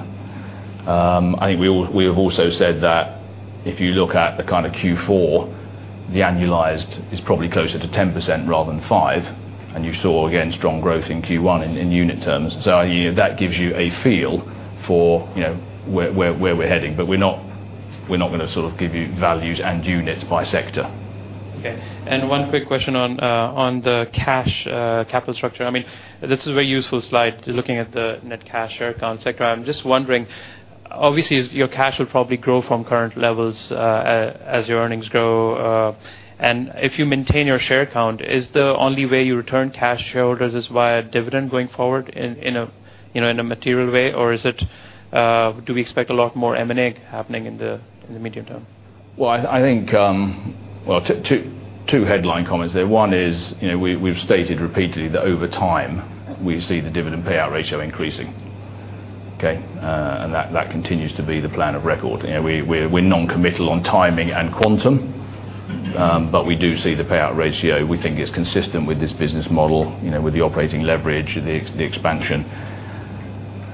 B: I think we have also said that if you look at Q4, the annualized is probably closer to 10% rather than 5%. You saw, again, strong growth in Q1 in unit terms. That gives you a feel for where we're heading. We're not going to give you values and units by sector.
H: Okay. One quick question on the cash capital structure. This is a very useful slide looking at the net cash share count sector. I'm just wondering, obviously, your cash will probably grow from current levels as your earnings grow. If you maintain your share count, is the only way you return cash to shareholders is via dividend going forward in a material way, or do we expect a lot more M&A happening in the medium term?
B: Two headline comments there. One is, we've stated repeatedly that over time, we see the dividend payout ratio increasing. Okay. That continues to be the plan of record. We're non-committal on timing and quantum, but we do see the payout ratio we think is consistent with this business model, with the operating leverage, the expansion.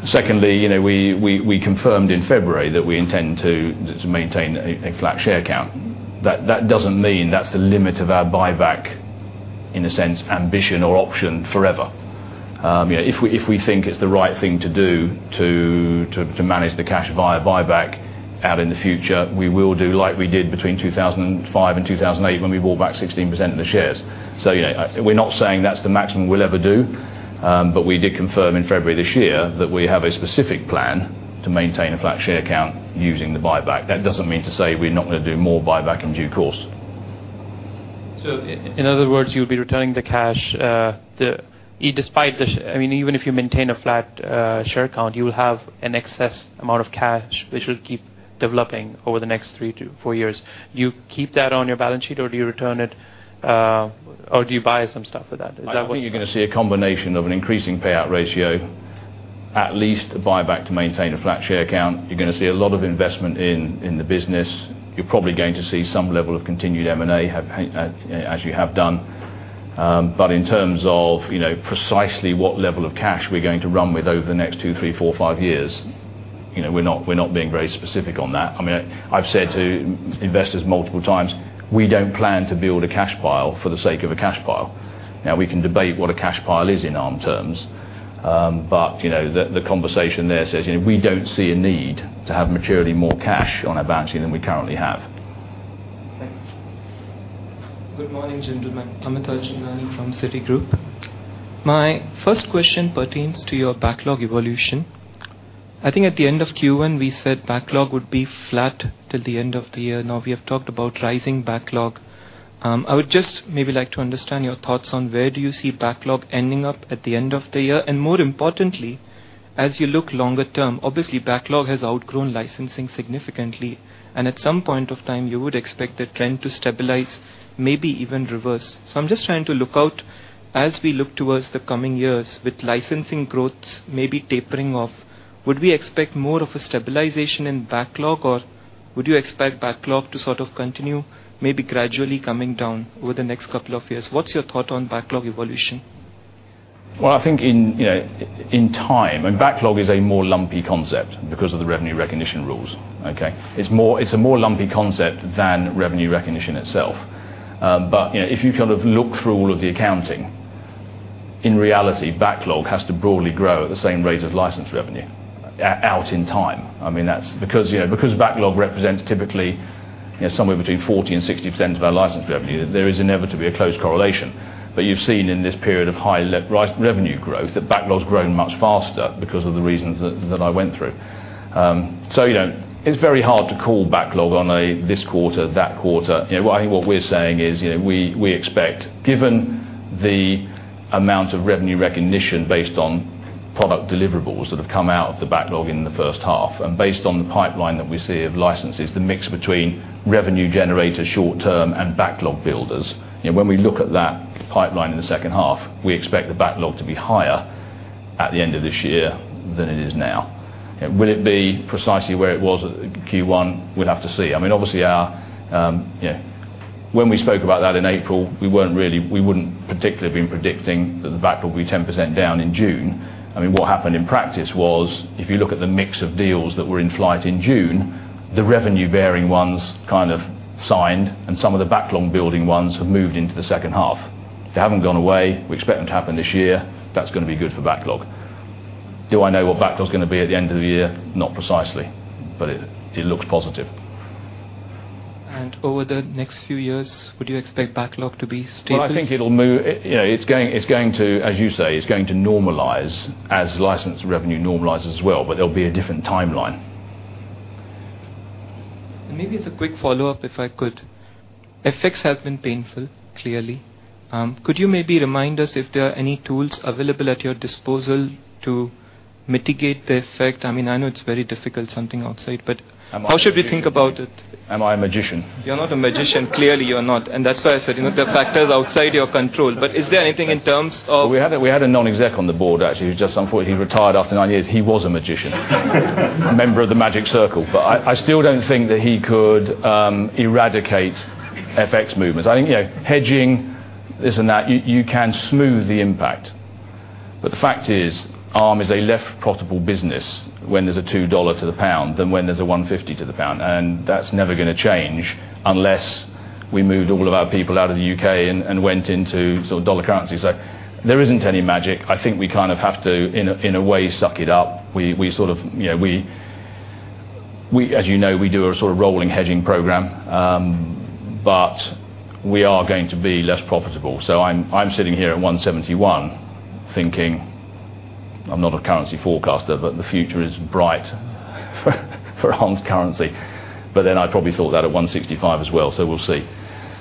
B: Secondly, we confirmed in February that we intend to maintain a flat share count. That doesn't mean that's the limit of our buyback, in a sense, ambition or option forever. If we think it's the right thing to do to manage the cash via buyback out in the future, we will do like we did between 2005 and 2008, when we bought back 16% of the shares. We're not saying that's the maximum we'll ever do, but we did confirm in February this year that we have a specific plan to maintain a flat share count using the buyback. That doesn't mean to say we're not going to do more buyback in due course.
H: In other words, you'll be returning the cash. Even if you maintain a flat share count, you will have an excess amount of cash which will keep developing over the next three to four years. Do you keep that on your balance sheet or do you return it, or do you buy some stuff with that?
B: I think you're going to see a combination of an increasing payout ratio, at least a buyback to maintain a flat share count. You're going to see a lot of investment in the business. You're probably going to see some level of continued M&A, as you have done. In terms of precisely what level of cash we're going to run with over the next two, three, four, five years, we're not being very specific on that. I've said to investors multiple times, we don't plan to build a cash pile for the sake of a cash pile. We can debate what a cash pile is in Arm terms. The conversation there says we don't see a need to have materially more cash on our balance sheet than we currently have.
H: Thanks.
I: Good morning, gentlemen. Amit Ajmani from Citigroup. My first question pertains to your backlog evolution. I think at the end of Q1, we said backlog would be flat till the end of the year. Now we have talked about rising backlog. I would just maybe like to understand your thoughts on where do you see backlog ending up at the end of the year. More importantly, as you look longer term, obviously backlog has outgrown licensing significantly, and at some point of time, you would expect the trend to stabilize, maybe even reverse. I'm just trying to look out as we look towards the coming years with licensing growth maybe tapering off, would we expect more of a stabilization in backlog, or would you expect backlog to sort of continue, maybe gradually coming down over the next couple of years? What's your thought on backlog evolution?
B: Well, I think in time, backlog is a more lumpy concept because of the revenue recognition rules. Okay? It's a more lumpy concept than revenue recognition itself. If you look through all of the accounting, in reality, backlog has to broadly grow at the same rate as license revenue out in time. Because backlog represents typically somewhere between 40% and 60% of our license revenue. There is inevitably a close correlation. You've seen in this period of high revenue growth, that backlog's grown much faster because of the reasons that I went through. It's very hard to call backlog on this quarter, that quarter. I think what we're saying is, we expect, given the amount of revenue recognition based on product deliverables that have come out of the backlog in the first half, and based on the pipeline that we see of licenses, the mix between revenue generators short term and backlog builders. When we look at that pipeline in the second half, we expect the backlog to be higher at the end of this year than it is now. Will it be precisely where it was at Q1? We'll have to see. Obviously, when we spoke about that in April, we wouldn't particularly have been predicting that the backlog will be 10% down in June. What happened in practice was if you look at the mix of deals that were in flight in June, the revenue-bearing ones kind of signed, and some of the backlog-building ones have moved into the second half. They haven't gone away. We expect them to happen this year. That's going to be good for backlog. Do I know what backlog's going to be at the end of the year? Not precisely, but it looks positive.
I: Over the next few years, would you expect backlog to be stable?
B: Well, I think, as you say, it's going to normalize as license revenue normalizes as well, but there'll be a different timeline.
I: Maybe as a quick follow-up, if I could. FX has been painful, clearly. Could you maybe remind us if there are any tools available at your disposal to mitigate the effect? I know it's very difficult, something outside, but how should we think about it?
B: Am I a magician?
I: You're not a magician. Clearly, you are not, and that's why I said there are factors outside your control. Is there anything in terms of-
B: We had a non-exec on the board, actually, who just unfortunately retired after nine years. He was a magician. A member of the Magic Circle. I still don't think that he could eradicate FX movements. I think, hedging this and that, you can smooth the impact. The fact is, Arm is a less profitable business when there's a $2 to the pound than when there's a $1.50 to the pound. That's never going to change unless we moved all of our people out of the U.K. and went into dollar currencies. There isn't any magic. I think we kind of have to, in a way, suck it up. As you know, we do a sort of rolling hedging program. We are going to be less profitable. I'm sitting here at 171 thinking I'm not a currency forecaster, but the future is bright for Arm's currency. I probably thought that at 165 as well, so we'll see.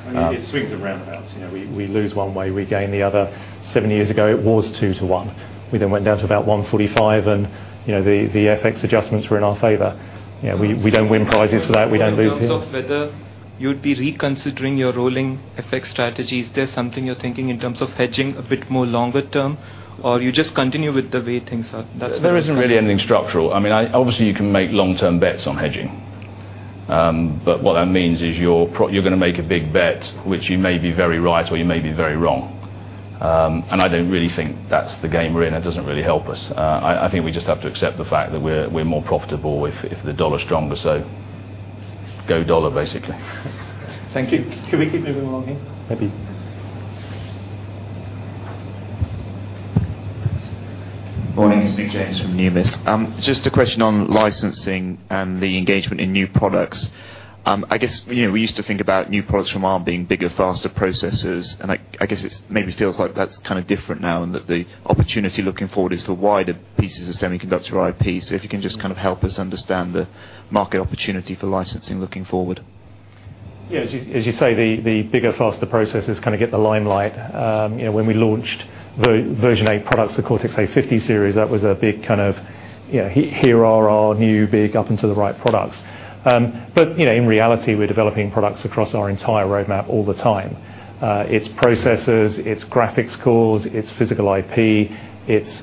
A: It swings at roundabouts. We lose one way, we gain the other. Seven years ago, it was two to one. We went down to about 145, and the FX adjustments were in our favor. We don't win prizes for that. We don't lose-
I: In terms of whether you'd be reconsidering your rolling FX strategy, is there something you're thinking in terms of hedging a bit more longer term, or you just continue with the waiting side?
B: There isn't really anything structural. Obviously, you can make long-term bets on hedging. What that means is you're going to make a big bet, which you may be very right or you may be very wrong. I don't really think that's the game we're in. That doesn't really help us. I think we just have to accept the fact that we're more profitable if the dollar's stronger. Go dollar, basically.
I: Thank you.
A: Can we keep moving along here? Maybe.
J: Morning. It's Nick James from Numis. Just a question on licensing and the engagement in new products. I guess we used to think about new products from Arm being bigger, faster processors, and I guess it maybe feels like that's kind of different now, and that the opportunity looking forward is for wider pieces of semiconductor IP. If you can just kind of help us understand the market opportunity for licensing looking forward.
A: Yeah. As you say, the bigger, faster processors kind of get the limelight. When we launched version 8 products, the Cortex-A50 series, that was a big kind of, "Here are our new big up into the right products." In reality, we're developing products across our entire roadmap all the time. It's processors, it's graphics cores, it's physical IP, it's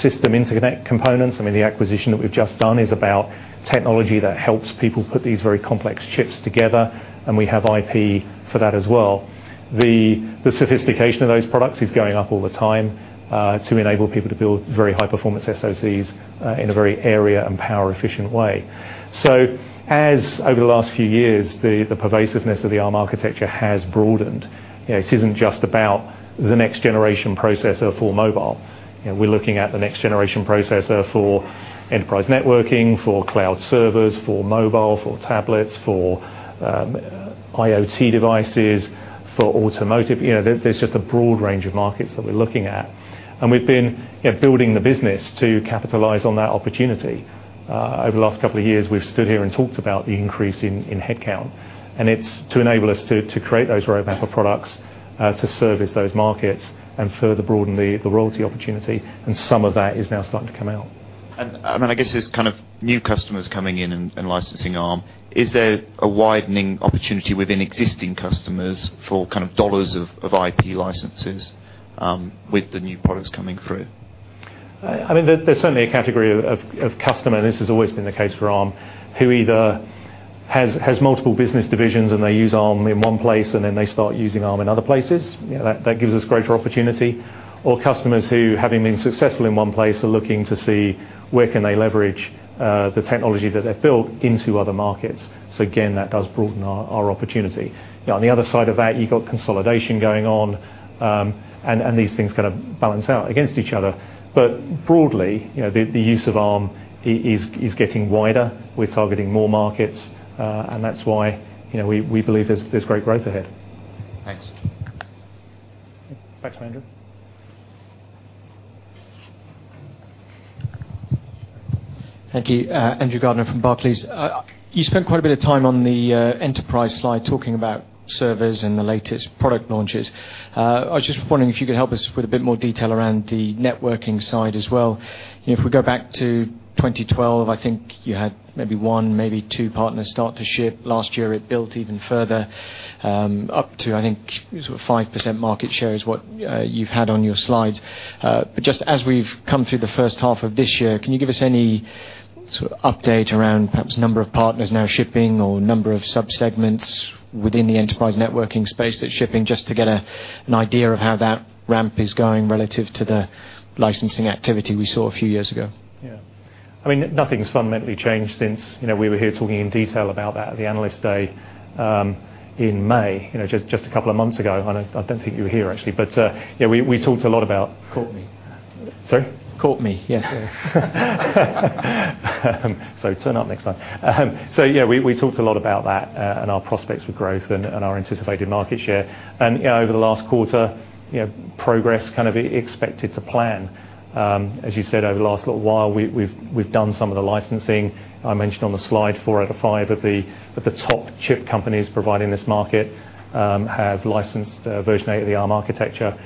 A: system interconnect components. The acquisition that we've just done is about technology that helps people put these very complex chips together, and we have IP for that as well. The sophistication of those products is going up all the time, to enable people to build very high-performance SoCs in a very area and power-efficient way. As over the last few years, the pervasiveness of the Arm architecture has broadened. It isn't just about the next generation processor for mobile. We're looking at the next generation processor for enterprise networking, for cloud servers, for mobile, for tablets, for IoT devices, for automotive. There's just a broad range of markets that we're looking at. We've been building the business to capitalize on that opportunity. Over the last couple of years, we've stood here and talked about the increase in headcount. It's to enable us to create those roadmap of products, to service those markets, and further broaden the royalty opportunity, and some of that is now starting to come out.
J: I guess there's kind of new customers coming in and licensing Arm. Is there a widening opportunity within existing customers for dollars of IP licenses with the new products coming through?
A: There's certainly a category of customer, and this has always been the case for Arm, who either has multiple business divisions and they use Arm in one place, then they start using Arm in other places. That gives us greater opportunity. Customers who, having been successful in one place, are looking to see where can they leverage the technology that they've built into other markets. Again, that does broaden our opportunity. On the other side of that, you've got consolidation going on, and these things kind of balance out against each other. Broadly, the use of Arm is getting wider. We're targeting more markets. That's why we believe there's great growth ahead.
J: Thanks.
A: Thanks. Andrew.
K: Thank you. Andrew Gardner from Barclays. You spent quite a bit of time on the enterprise slide talking about servers and the latest product launches. I was just wondering if you could help us with a bit more detail around the networking side as well. If we go back to 2012, I think you had maybe one, maybe two partners start to ship. Last year, it built even further, up to, I think 5% market share is what you've had on your slides. Just as we've come through the first half of this year, can you give us any sort of update around perhaps number of partners now shipping or number of subsegments within the enterprise networking space that's shipping, just to get an idea of how that ramp is going relative to the licensing activity we saw a few years ago?
A: Yeah. Nothing's fundamentally changed since we were here talking in detail about that at the Analyst Day in May, just a couple of months ago. I don't think you were here, actually. We talked a lot.
K: Caught me.
A: Sorry?
K: Caught me. Yes.
A: Turn up next time. Yeah, we talked a lot about that, and our prospects for growth and our anticipated market share. Over the last quarter, progress kind of expected to plan. As you said, over the last little while, we've done some of the licensing. I mentioned on the slide four out of five of the top chip companies providing this market have licensed version eight of the Arm architecture.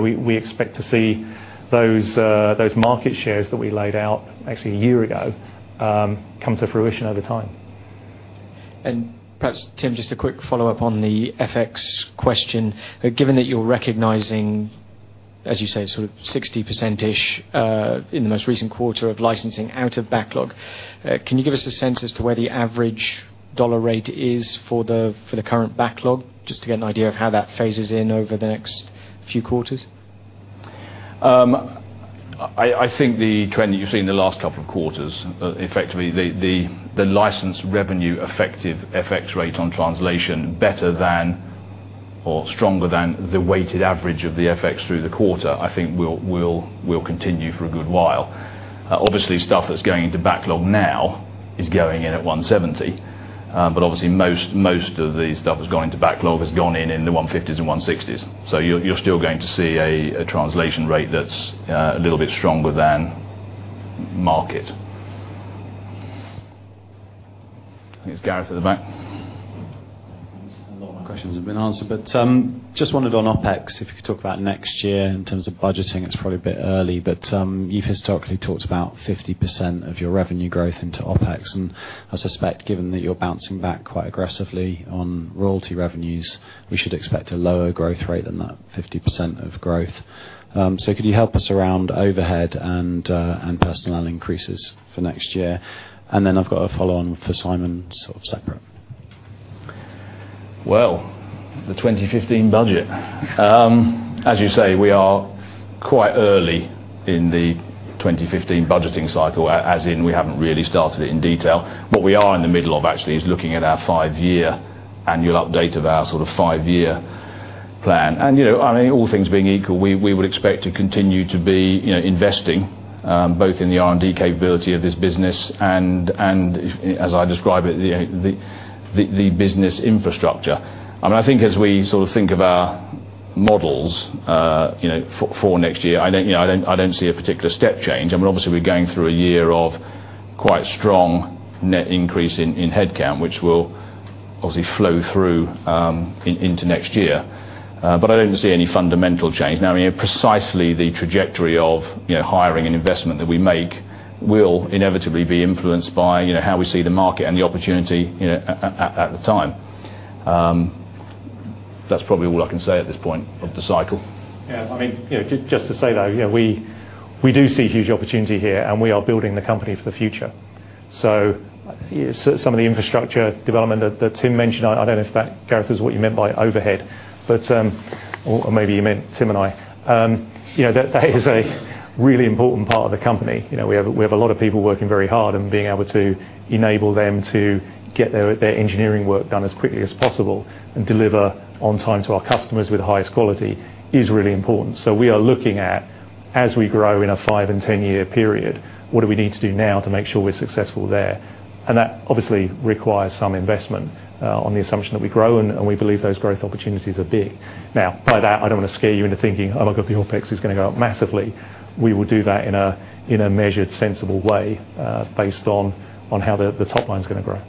A: We expect to see those market shares that we laid out actually one year ago, come to fruition over time.
K: Perhaps, Tim, just a quick follow-up on the FX question. Given that you're recognizing, as you say, sort of 60%-ish, in the most recent quarter of licensing out of backlog, can you give us a sense as to where the average USD rate is for the current backlog, just to get an idea of how that phases in over the next few quarters?
B: I think the trend that you've seen in the last couple of quarters, effectively, the license revenue effective FX rate on translation, better than or stronger than the weighted average of the FX through the quarter, I think will continue for a good while. Obviously, stuff that's going into backlog now is going in at 170. Obviously, most of the stuff that's going to backlog has gone in in the 150s and 160s. You're still going to see a translation rate that's a little bit stronger than market. I think it's Gareth at the back.
L: A lot of my questions have been answered. Just wondered on OpEx, if you could talk about next year in terms of budgeting. It's probably a bit early. You've historically talked about 50% of your revenue growth into OpEx, and I suspect given that you're bouncing back quite aggressively on royalty revenues, we should expect a lower growth rate than that 50% of growth. Could you help us around overhead and personnel increases for next year? I've got a follow on for Simon, sort of separate.
B: Well, the 2015 budget. As you say, we are quite early in the 2015 budgeting cycle, as in we haven't really started it in detail. What we are in the middle of actually, is looking at our five-year annual update of our sort of five-year plan. All things being equal, we would expect to continue to be investing, both in the R&D capability of this business and as I describe it, the business infrastructure. I think as we sort of think of our models for next year, I don't see a particular step change. Obviously, we're going through a year of quite strong net increase in headcount, which will obviously flow through into next year. I don't see any fundamental change. Now, precisely the trajectory of hiring and investment that we make will inevitably be influenced by how we see the market and the opportunity at the time. That's probably all I can say at this point of the cycle.
A: Yeah. Just to say that, we do see huge opportunity here, and we are building the company for the future. Some of the infrastructure development that Tim mentioned, I don't know if that, Gareth, is what you meant by overhead, or maybe you meant Tim and I. That is a really important part of the company. We have a lot of people working very hard and being able to enable them to get their engineering work done as quickly as possible and deliver on time to our customers with the highest quality is really important. We are looking at, as we grow in a five- and ten-year period, what do we need to do now to make sure we're successful there? That obviously requires some investment on the assumption that we grow, and we believe those growth opportunities are big. Now, by that, I don't want to scare you into thinking, "Oh, my God, the OpEx is going to go up massively." We will do that in a measured, sensible way, based on how the top line is going to grow.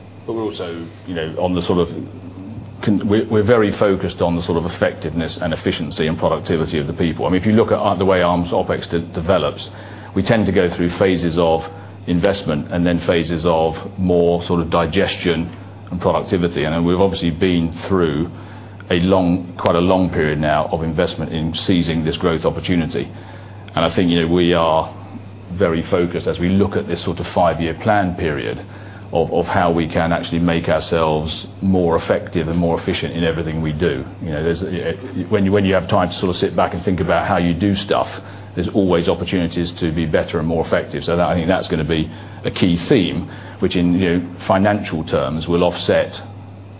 B: We're very focused on the sort of effectiveness and efficiency and productivity of the people. If you look at the way Arm's OpEx develops, we tend to go through phases of investment and then phases of more sort of digestion and productivity. We've obviously been through quite a long period now of investment in seizing this growth opportunity. I think we are very focused as we look at this sort of five-year plan period of how we can actually make ourselves more effective and more efficient in everything we do. When you have time to sort of sit back and think about how you do stuff, there's always opportunities to be better and more effective. That, I think that's going to be a key theme, which in financial terms will offset,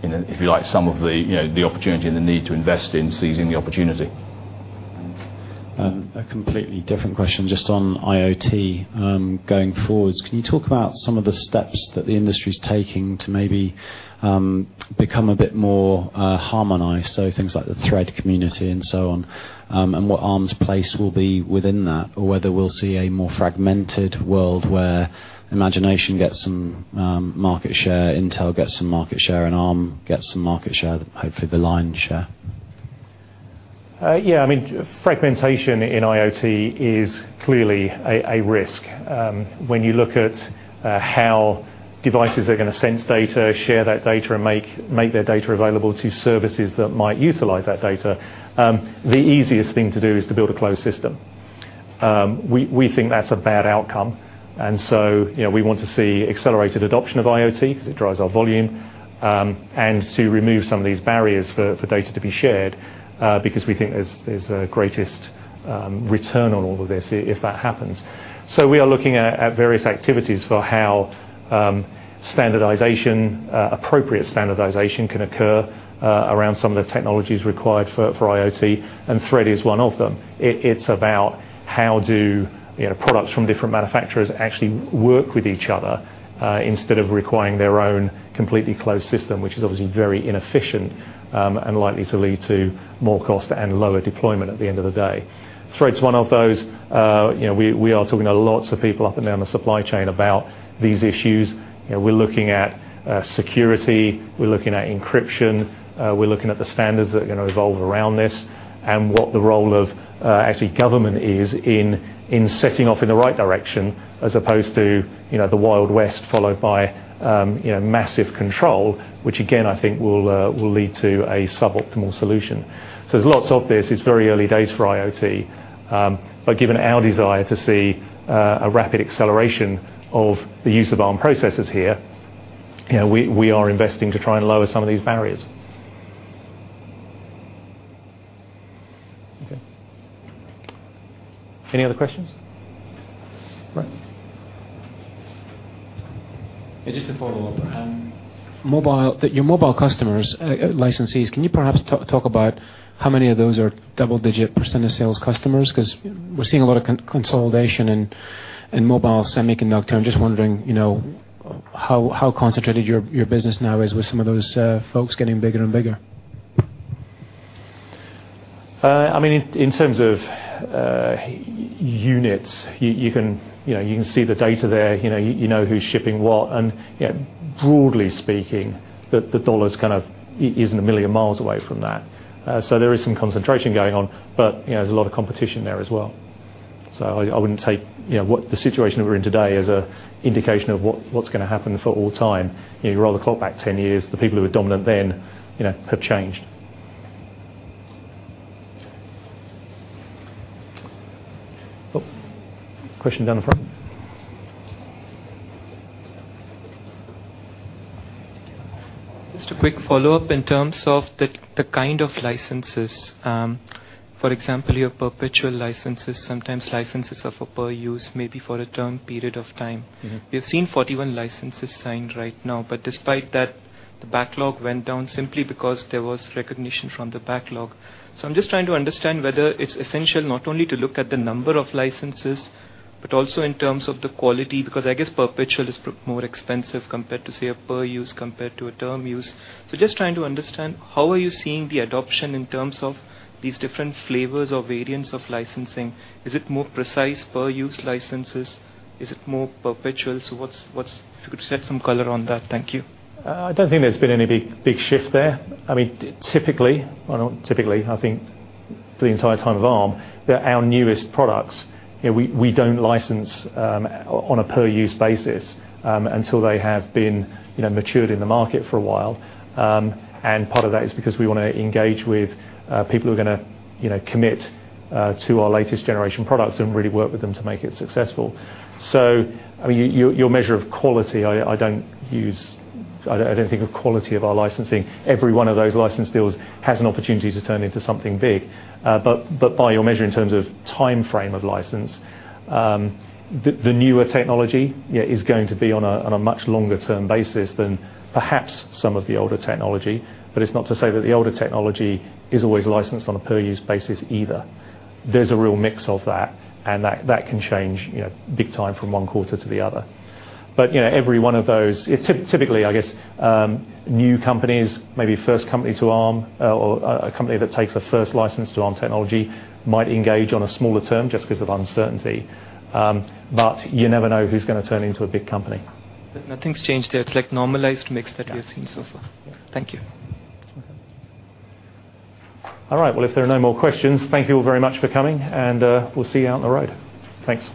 B: if you like, some of the opportunity and the need to invest in seizing the opportunity.
L: a completely different question, just on IoT. Going forwards, can you talk about some of the steps that the industry's taking to maybe become a bit more harmonized, so things like the Thread Community and so on, and what Arm's place will be within that? Or whether we'll see a more fragmented world where Imagination gets some market share, Intel gets some market share, and Arm gets some market share, hopefully the lion's share.
A: Yeah. Fragmentation in IoT is clearly a risk. When you look at how devices are going to sense data, share that data, and make their data available to services that might utilize that data, the easiest thing to do is to build a closed system. We think that's a bad outcome. We want to see accelerated adoption of IoT because it drives our volume, and to remove some of these barriers for data to be shared, because we think there's a greatest return on all of this if that happens. We are looking at various activities for how Standardization, appropriate standardization can occur around some of the technologies required for IoT, and Thread is one of them. It's about how do products from different manufacturers actually work with each other, instead of requiring their own completely closed system, which is obviously very inefficient, and likely to lead to more cost and lower deployment at the end of the day. Thread's one of those. We are talking to lots of people up and down the supply chain about these issues. We're looking at security, we're looking at encryption. We're looking at the standards that are going to revolve around this, and what the role of government is in setting off in the right direction as opposed to the Wild West followed by massive control, which again, I think will lead to a suboptimal solution. There's lots of this. It's very early days for IoT. Given our desire to see a rapid acceleration of the use of Arm processes here, we are investing to try and lower some of these barriers. Okay. Any other questions? Right.
G: Just a follow-up. Your mobile customers, licensees, can you perhaps talk about how many of those are double-digit % of sales customers? We're seeing a lot of consolidation in mobile semiconductor. I'm just wondering, how concentrated your business now is with some of those folks getting bigger and bigger.
A: In terms of units, you can see the data there. You know who's shipping what, and broadly speaking, the dollar isn't a million miles away from that. There is some concentration going on, but there's a lot of competition there as well. I wouldn't take the situation that we're in today as an indication of what's going to happen for all time. You roll the clock back 10 years, the people who were dominant then have changed. Question down the front.
I: Just a quick follow-up in terms of the kind of licenses. For example, your perpetual licenses, sometimes licenses are for per use, maybe for a term period of time. We've seen 41 licenses signed right now, despite that, the backlog went down simply because there was recognition from the backlog. I'm just trying to understand whether it's essential not only to look at the number of licenses, but also in terms of the quality, because I guess perpetual is more expensive compared to say, a per use compared to a term use. Just trying to understand, how are you seeing the adoption in terms of these different flavors or variants of licensing? Is it more precise per use licenses? Is it more perpetual? If you could shed some color on that. Thank you.
A: I don't think there's been any big shift there. Typically, I think for the entire time of Arm, that our newest products, we don't license on a per use basis until they have been matured in the market for a while. Part of that is because we want to engage with people who are going to commit to our latest generation products and really work with them to make it successful. Your measure of quality, I don't think of quality of our licensing. Every one of those license deals has an opportunity to turn into something big. By your measure in terms of timeframe of license, the newer technology is going to be on a much longer term basis than perhaps some of the older technology. It's not to say that the older technology is always licensed on a per use basis either. There's a real mix of that, and that can change big time from one quarter to the other. Every one of those Typically, I guess, new companies, maybe first company to Arm, or a company that takes a first license to Arm technology might engage on a smaller term just because of uncertainty. You never know who's going to turn into a big company.
I: Nothing's changed there. It's like normalized mix that we have seen so far.
A: Yeah.
I: Thank you.
A: Okay. All right. Well, if there are no more questions, thank you all very much for coming, and we'll see you out on the road. Thanks.